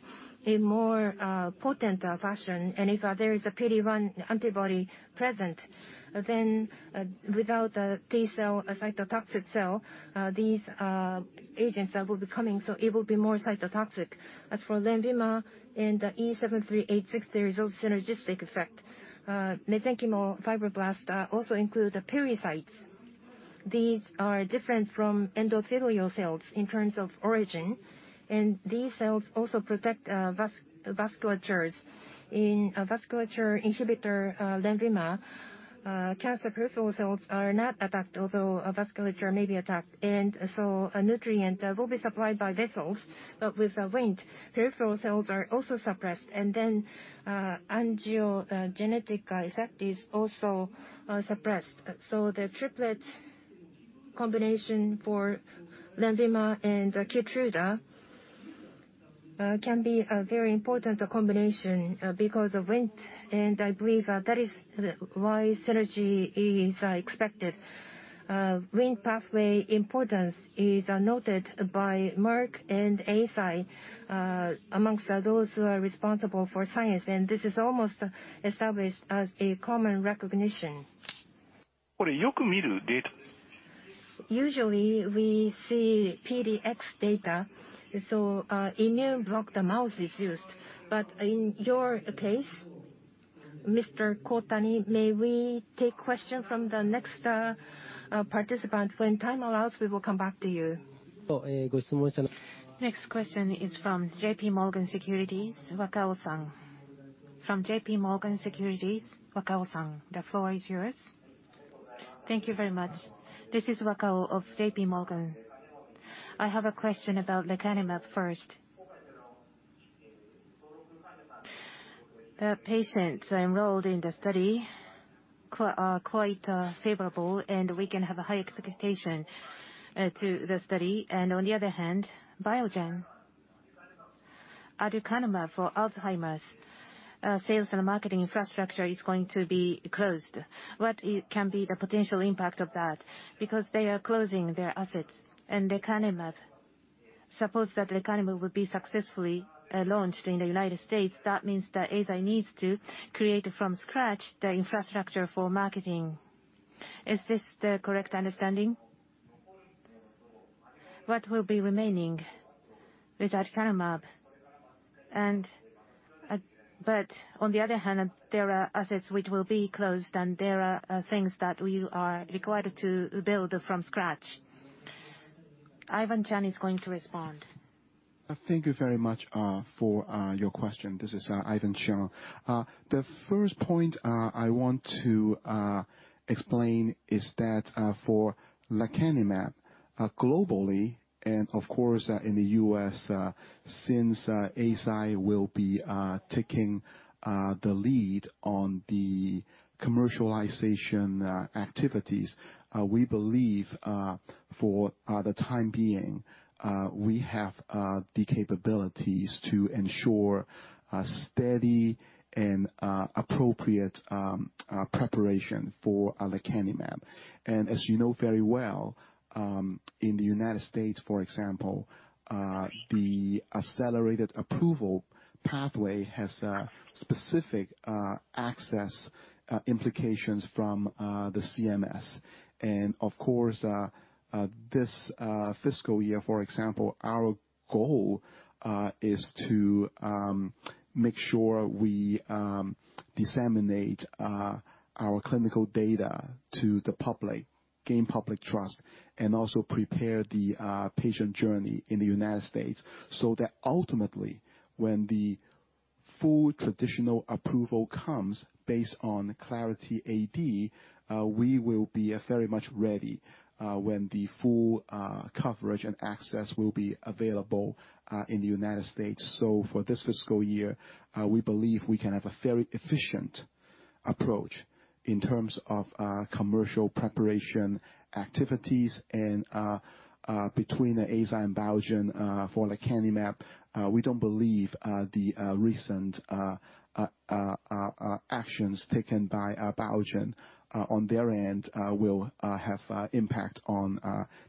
in more potent fashion. If there is a PD-1 antibody present, then without a T-cell, a cytotoxic cell, these agents will be coming, so it will be more cytotoxic. As for LENVIMA and E7386, there is also synergistic effect. Mesenchymal fibroblast also include the pericytes. These are different from endothelial cells in terms of origin. These cells also protect vasculatures. In a vasculature inhibitor, LENVIMA, cancer peripheral cells are not attacked, although a vasculature may be attacked. A nutrient will be supplied by vessels, but with a WNT, peripheral cells are also suppressed. Angiogenic effect is also suppressed. The triplet combination for LENVIMA and KEYTRUDA can be a very important combination because of WNT. I believe that is why synergy is expected. WNT pathway importance is noted by Merck and Eisai among those who are responsible for science, and this is almost established as a common recognition. Usually, we see PDX data, immune blocked mouse is used. In your case, Mr. Kotani, may we take question from the next participant? When time allows, we will come back to you. Next question is from JPMorgan Securities Japan, Wakao From JPMorgan Securities Japan, Wakao, the floor is yours. Thank you very much. This is Wakao of JPMorgan. I have a question about lecanemab first. Patients enrolled in the study are quite favorable, and we can have a high expectation to the study. On the other hand, Biogen aducanumab for Alzheimer's sales and marketing infrastructure is going to be closed. What can be the potential impact of that? Because they are closing their assets. Lecanemab, suppose that lecanemab will be successfully launched in the United States, that means that Eisai needs to create from scratch the infrastructure for marketing. Is this the correct understanding? What will be remaining with aducanumab? On the other hand, there are assets which will be closed, and there are things that we are required to build from scratch. Ivan Cheung is going to respond. Thank you very much for your question. This is Ivan Cheung. The first point I want to explain is that for lecanemab, globally and of course in the U.S., since Eisai will be taking the lead on the commercialization activities, we believe for the time being we have the capabilities to ensure a steady and appropriate preparation for lecanemab. As you know very well, in the United States, for example, the accelerated approval pathway has a specific access implications from the CMS. Of course, this fiscal year, for example, our goal is to make sure we disseminate our clinical data to the public, gain public trust, and also prepare the patient journey in the United States so that ultimately, when the full traditional approval comes based on Clarity AD, we will be very much ready when the full coverage and access will be available in the United States. For this fiscal year, we believe we can have a very efficient approach in terms of commercial preparation activities and between Eisai and Biogen for Lecanemab, we don't believe the recent actions taken by Biogen on their end will have impact on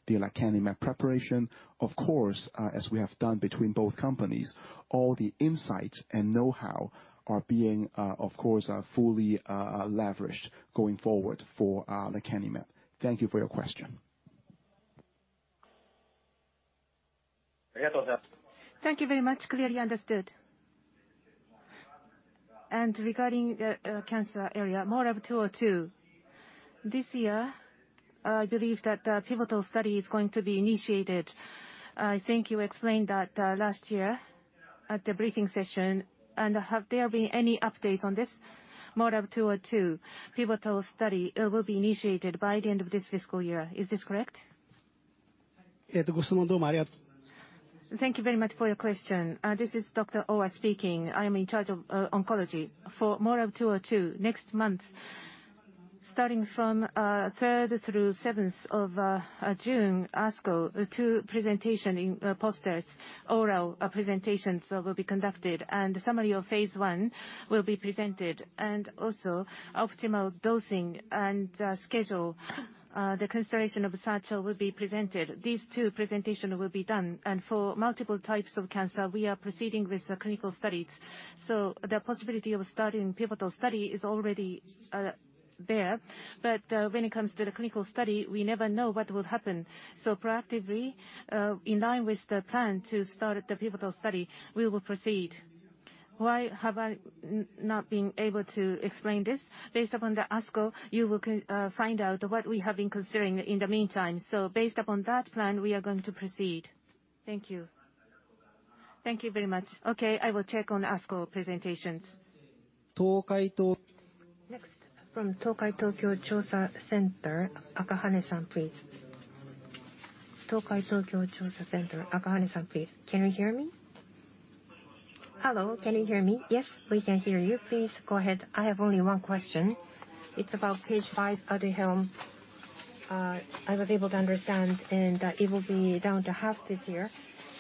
the lecanemab preparation. Of course, as we have done between both companies, all the insight and know-how are being, of course, fully leveraged going forward for Lecanemab. Thank you for your question. Thank you very much. Clearly understood. Regarding the cancer area, MORAb-202. This year, I believe that the pivotal study is going to be initiated. I think you explained that last year at the briefing session. Have there been any updates on this MORAb-202 pivotal study, will be initiated by the end of this fiscal year? Is this correct? Thank you very much for your question. This is Dr. Owa speaking. I am in charge of oncology. For MORAb-202, next month, starting from third through seventh of June, ASCO, two presentations in posters, oral presentations will be conducted, and the summary of phase I will be presented. Also, optimal dosing and schedule, the consideration of such will be presented. These two presentations will be done. For multiple types of cancer, we are proceeding with clinical studies. The possibility of starting pivotal study is already there. But when it comes to the clinical study, we never know what will happen. Proactively, in line with the plan to start the pivotal study, we will proceed. Why have I not been able to explain this? Based upon the ASCO, you will find out what we have been considering in the meantime. Based upon that plan, we are going to proceed. Thank you. Thank you very much. Okay, I will check on ASCO presentations. Next, from Tokai Tokyo Research Center, Akahane, please. Can you hear me? Hello, can you hear me? Yes, we can hear you. Please go ahead. I have only one question. It's about page five, Aduhelm. I was able to understand, and it will be down to half this year.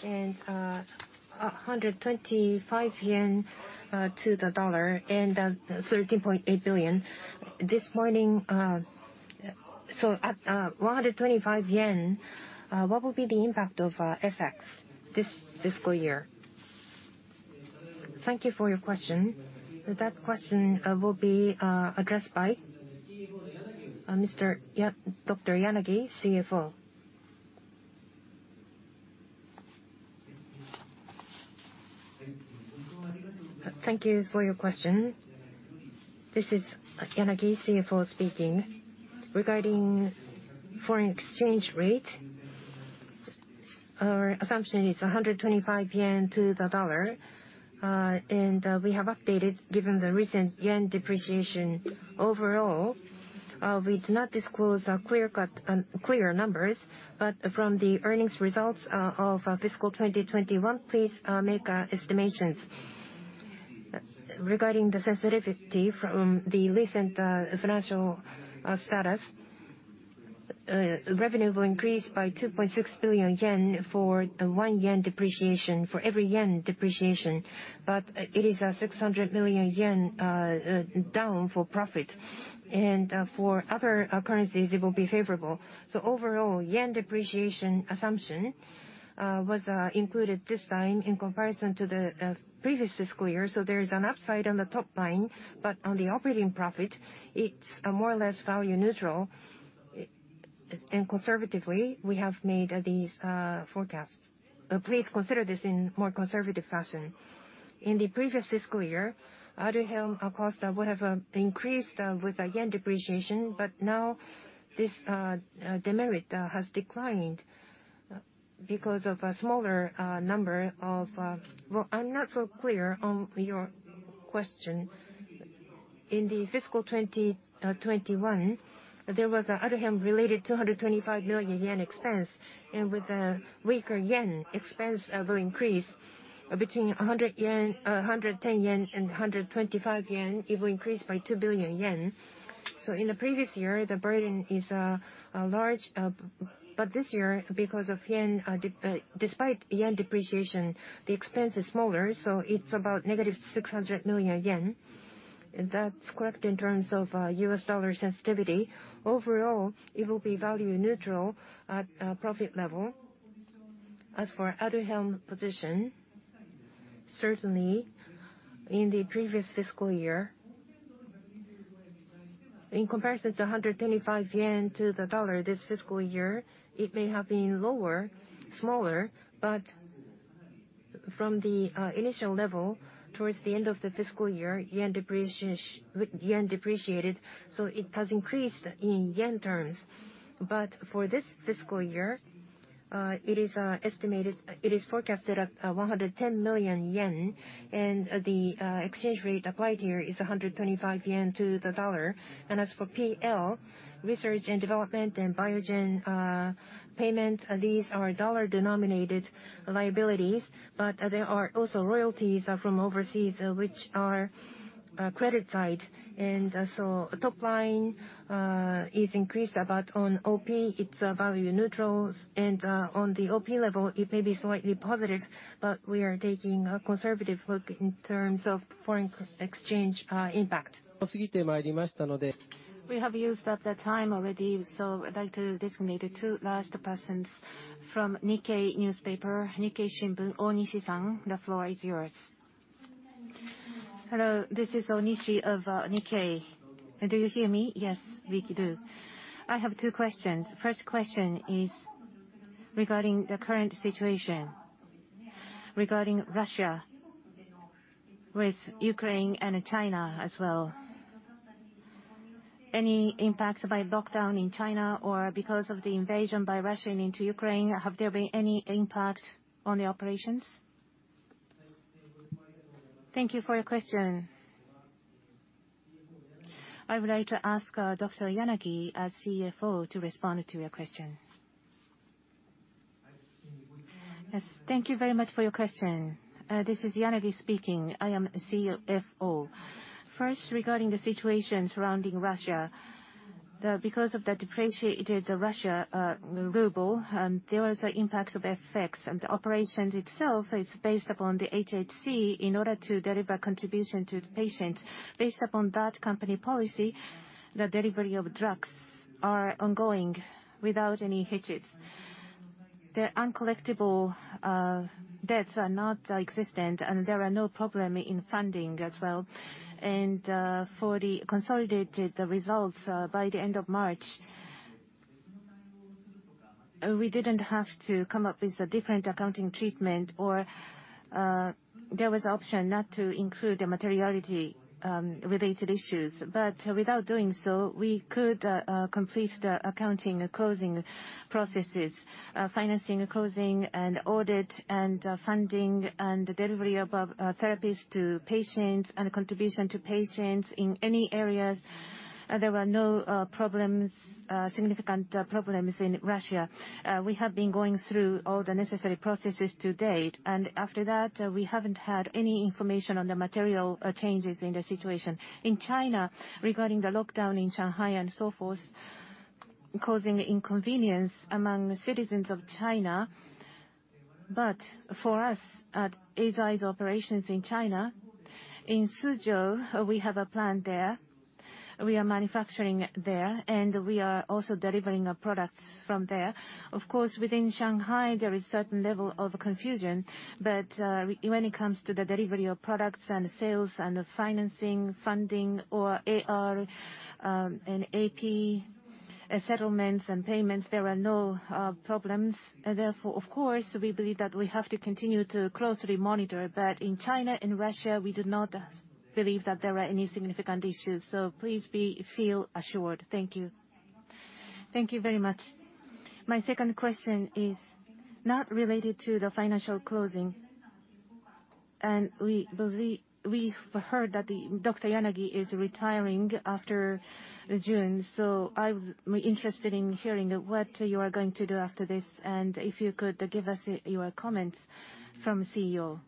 125 yen to the dollar and $13.8 billion. This morning, so at 125 yen, what will be the impact of FX this fiscal year? Thank you for your question. That question will be addressed by Dr. Yanagi, CFO. Thank you for your question. This is Yanagi, CFO speaking. Regarding foreign exchange rate, our assumption is 125 yen to the dollar. We have updated given the recent yen depreciation. Overall, we do not disclose a clear-cut, clear numbers, but from the earnings results of fiscal 2021, please make estimations. Regarding the sensitivity from the recent financial status, revenue will increase by 2.6 billion yen for every yen depreciation. But it is 600 million yen down for profit. For other currencies, it will be favorable. Overall, yen depreciation assumption was included this time in comparison to the previous fiscal year. There's an upside on the top line, but on the operating profit, it's more or less value neutral. Conservatively, we have made these forecasts. Please consider this in more conservative fashion. In the previous fiscal year, Aduhelm cost would have increased with a yen depreciation, but now this demerit has declined because of a smaller number of... Well, I'm not so clear on your question. In fiscal 2021, there was Aduhelm-related 225 million yen expense. With the weaker yen, expense will increase between 100 yen, 110 yen and 125 yen, it will increase by 2 billion yen. In the previous year, the burden is large. But this year, because of yen depreciation, the expense is smaller, so it's about -600 million yen. Is that correct in terms of US dollar sensitivity? Overall, it will be value neutral at profit level. As for other Aduhelm position, certainly in the previous fiscal year, in comparison to 125 yen to the dollar this fiscal year, it may have been lower, smaller. From the initial level towards the end of the fiscal year, yen depreciation with yen depreciated, so it has increased in yen terms. For this fiscal year, it is estimated, it is forecasted at 110 million yen. The exchange rate applied here is 125 yen to the dollar. As for PL, research and development and Biogen payments, these are dollar-denominated liabilities. There are also royalties from overseas, which are credit side. Top line is increased, but on OP it's value neutral. On the OP level it may be slightly positive, but we are taking a conservative look in terms of foreign exchange impact. We have used up the time already, so I'd like to designate two last persons. From Nihon Keizai Shimbun, Onishi, the floor is yours. Hello, this is Onishi of Nikkei. Do you hear me? Yes, we do. I have two questions. First question is regarding the current situation regarding Russia with Ukraine and China as well. Any impact by lockdown in China or because of the invasion by Russia into Ukraine? Have there been any impact on the operations? Thank you for your question. I would like to ask, Dr. Yanagi, our CFO, to respond to your question. Yes. Thank you very much for your question. This is Yanagi speaking. I am CFO. First, regarding the situation surrounding Russia, because of the depreciated Russian ruble, there was an impact of FX. The operations itself is based upon the HHC in order to deliver contribution to the patients. Based upon that company policy, the delivery of drugs are ongoing without any hitches. The uncollectible debts are not existent, and there are no problem in funding as well. For the consolidated results by the end of March, we didn't have to come up with a different accounting treatment or there was an option not to include the materiality related issues. Without doing so, we could complete the accounting closing processes, financing closing and audit and, funding and delivery of, therapies to patients and contribution to patients in any areas. There were no significant problems in Russia. We have been going through all the necessary processes to date, and after that, we haven't had any information on the material changes in the situation. In China, regarding the lockdown in Shanghai and so forth, causing inconvenience among citizens of China. For us at Eisai's operations in China, in Suzhou, we have a plant there. We are manufacturing there, and we are also delivering our products from there. Of course, within Shanghai there is certain level of confusion, but when it comes to the delivery of products and sales and the financing, funding or AR, and AP, settlements and payments, there are no problems. Therefore, of course, we believe that we have to continue to closely monitor. But in China and Russia, we do not believe that there are any significant issues. Please feel assured. Thank you. Thank you very much. My second question is not related to the financial closing. We believe we've heard that Dr. Yanagi is retiring after June, so I'm interested in hearing what you are going to do after this. If you could give us your comments from CEO.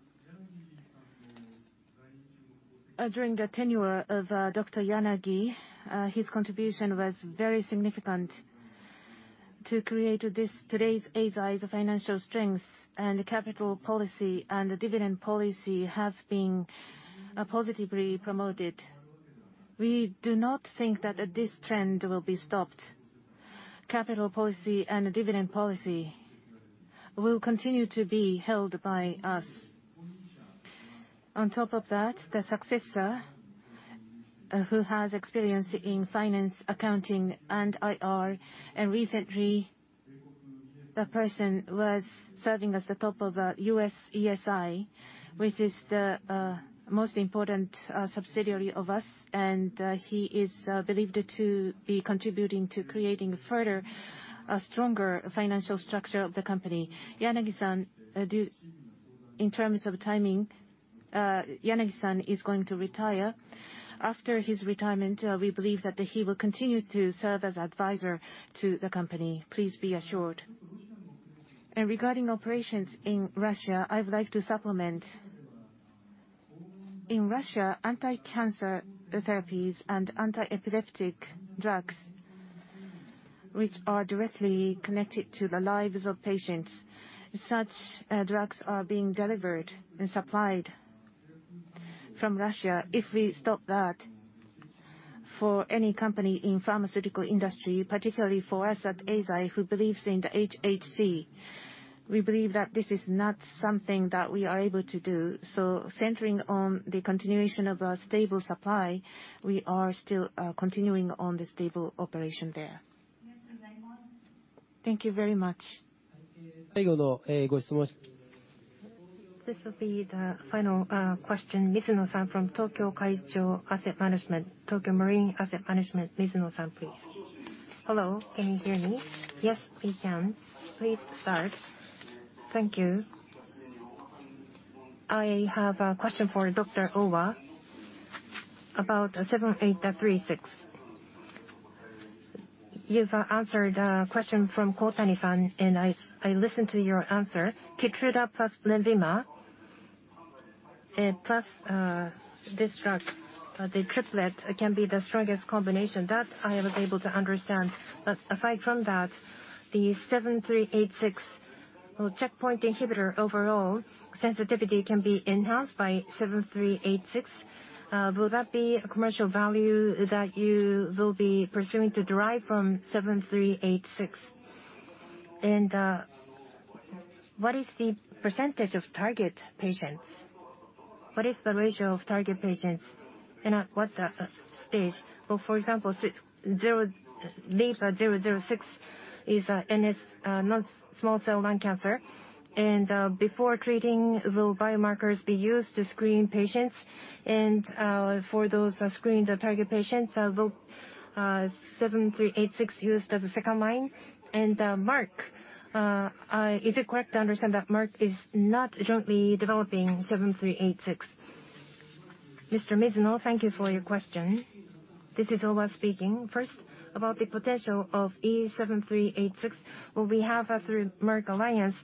During the tenure of Dr. Yanagi, his contribution was very significant to create this, today's Eisai's financial strength. The capital policy and the dividend policy have been positively promoted. We do not think that this trend will be stopped. Capital policy and the dividend policy will continue to be held by us. On top of that, the successor who has experience in finance, accounting, and IR, and recently the person was serving as the top of Eisai Inc., which is the most important subsidiary of us. He is believed to be contributing to creating further a stronger financial structure of the company. Yanagi-san, in terms of timing, Yanagi-san is going to retire. After his retirement, we believe that he will continue to serve as advisor to the company. Please be assured. Regarding operations in Russia, I would like to supplement. In Russia, anti-cancer therapies and anti-epileptic drugs which are directly connected to the lives of patients. Such drugs are being delivered and supplied from Russia. If we stop that, for any company in pharmaceutical industry, particularly for us at Eisai who believes in the HHC, we believe that this is not something that we are able to do. Centering on the continuation of a stable supply, we are still continuing on the stable operation there. Thank you very much. This will be the final question. Mizuno-san from Tokio Marine Asset Management. Mizuno-san, please Hello, can you hear me? Yes, we can. Please start. Thank you. I have a question for Dr. Owa about E7386. You've answered a question from Kotani-san, and I listened to your answer. KEYTRUDA plus LENVIMA, and plus this drug, the triplet can be the strongest combination. That I was able to understand. Aside from that, the E7386, well, checkpoint inhibitor overall sensitivity can be enhanced by E7386. Will that be a commercial value that you will be pursuing to derive from E7386? And what is the % of target patients? What is the ratio of target patients, and at what stage? Well, for example, LEAP-006 is NSCLC. Before treating, will biomarkers be used to screen patients? For those screened target patients, will E7386 used as a second line? Merck, is it correct to understand that Merck is not jointly developing E7386? Mr. Mizuno, thank you for your question. This is Owa speaking. First, about the potential of E7386, well, we have through Merck alliance,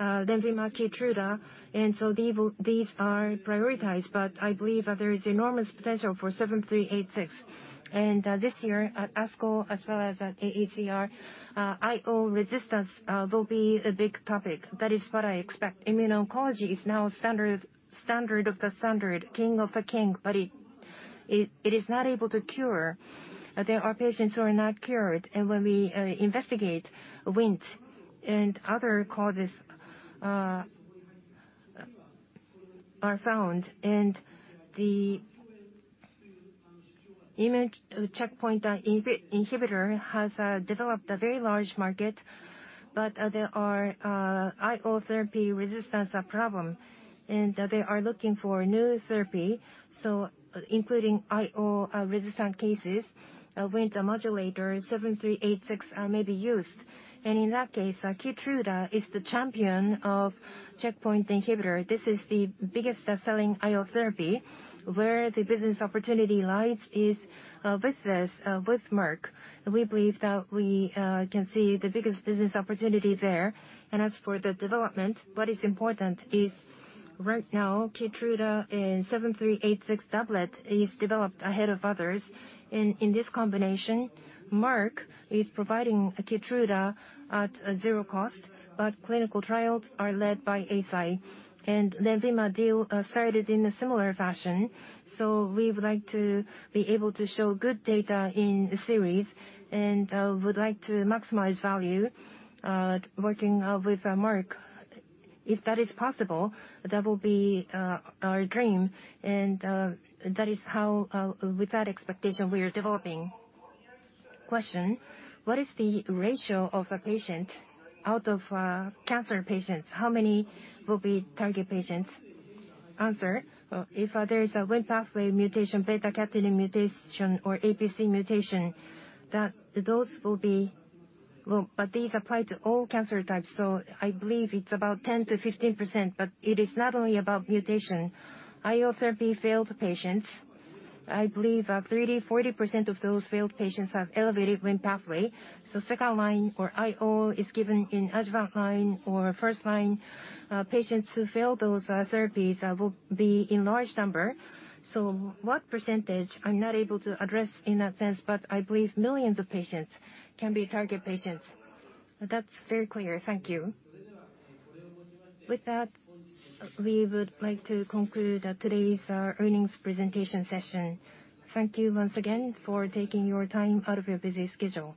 LENVIMA, KEYTRUDA, and these are prioritized. I believe that there is enormous potential for E7386. This year at ASCO as well as at AACR, IO resistance will be a big topic. That is what I expect. Immuno-oncology is now standard of the standard, king of the king, but it is not able to cure. There are patients who are not cured. When we investigate WNT and other causes are found, and the immune checkpoint inhibitor has developed a very large market. There are IO therapy resistance problem, and they are looking for new therapy. Including IO resistant cases, WNT modulator E7386 may be used. In that case, KEYTRUDA is the champion of checkpoint inhibitor. This is the biggest selling IO therapy. Where the business opportunity lies is with us with Merck. We believe that we can see the biggest business opportunity there. As for the development, what is important is right now KEYTRUDA and E7386 doublet is developed ahead of others. In this combination, Merck is providing KEYTRUDA at zero cost, but clinical trials are led by Eisai. LENVIMA deal cited in a similar fashion. We would like to be able to show good data in a series and would like to maximize value working with Merck. If that is possible, that will be our dream. That is how, with that expectation we are developing. Question: What is the ratio of a patient out of cancer patients? How many will be target patients? Answer: If there is a WNT pathway mutation, β-catenin mutation, or APC mutation, those will be. Well, but these apply to all cancer types, so I believe it's about 10%-15%. But it is not only about mutation. IO therapy failed patients, I believe, 30%-40% of those failed patients have elevated WNT pathway. So second line or IO is given in advanced line or first line. Patients who fail those therapies will be in large number. So what %, I'm not able to address in that sense, but I believe millions of patients can be target patients. That's very clear. Thank you. With that, we would like to conclude today's earnings presentation session. Thank you once again for taking your time out of your busy schedule.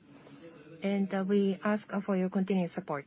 We ask for your continued support.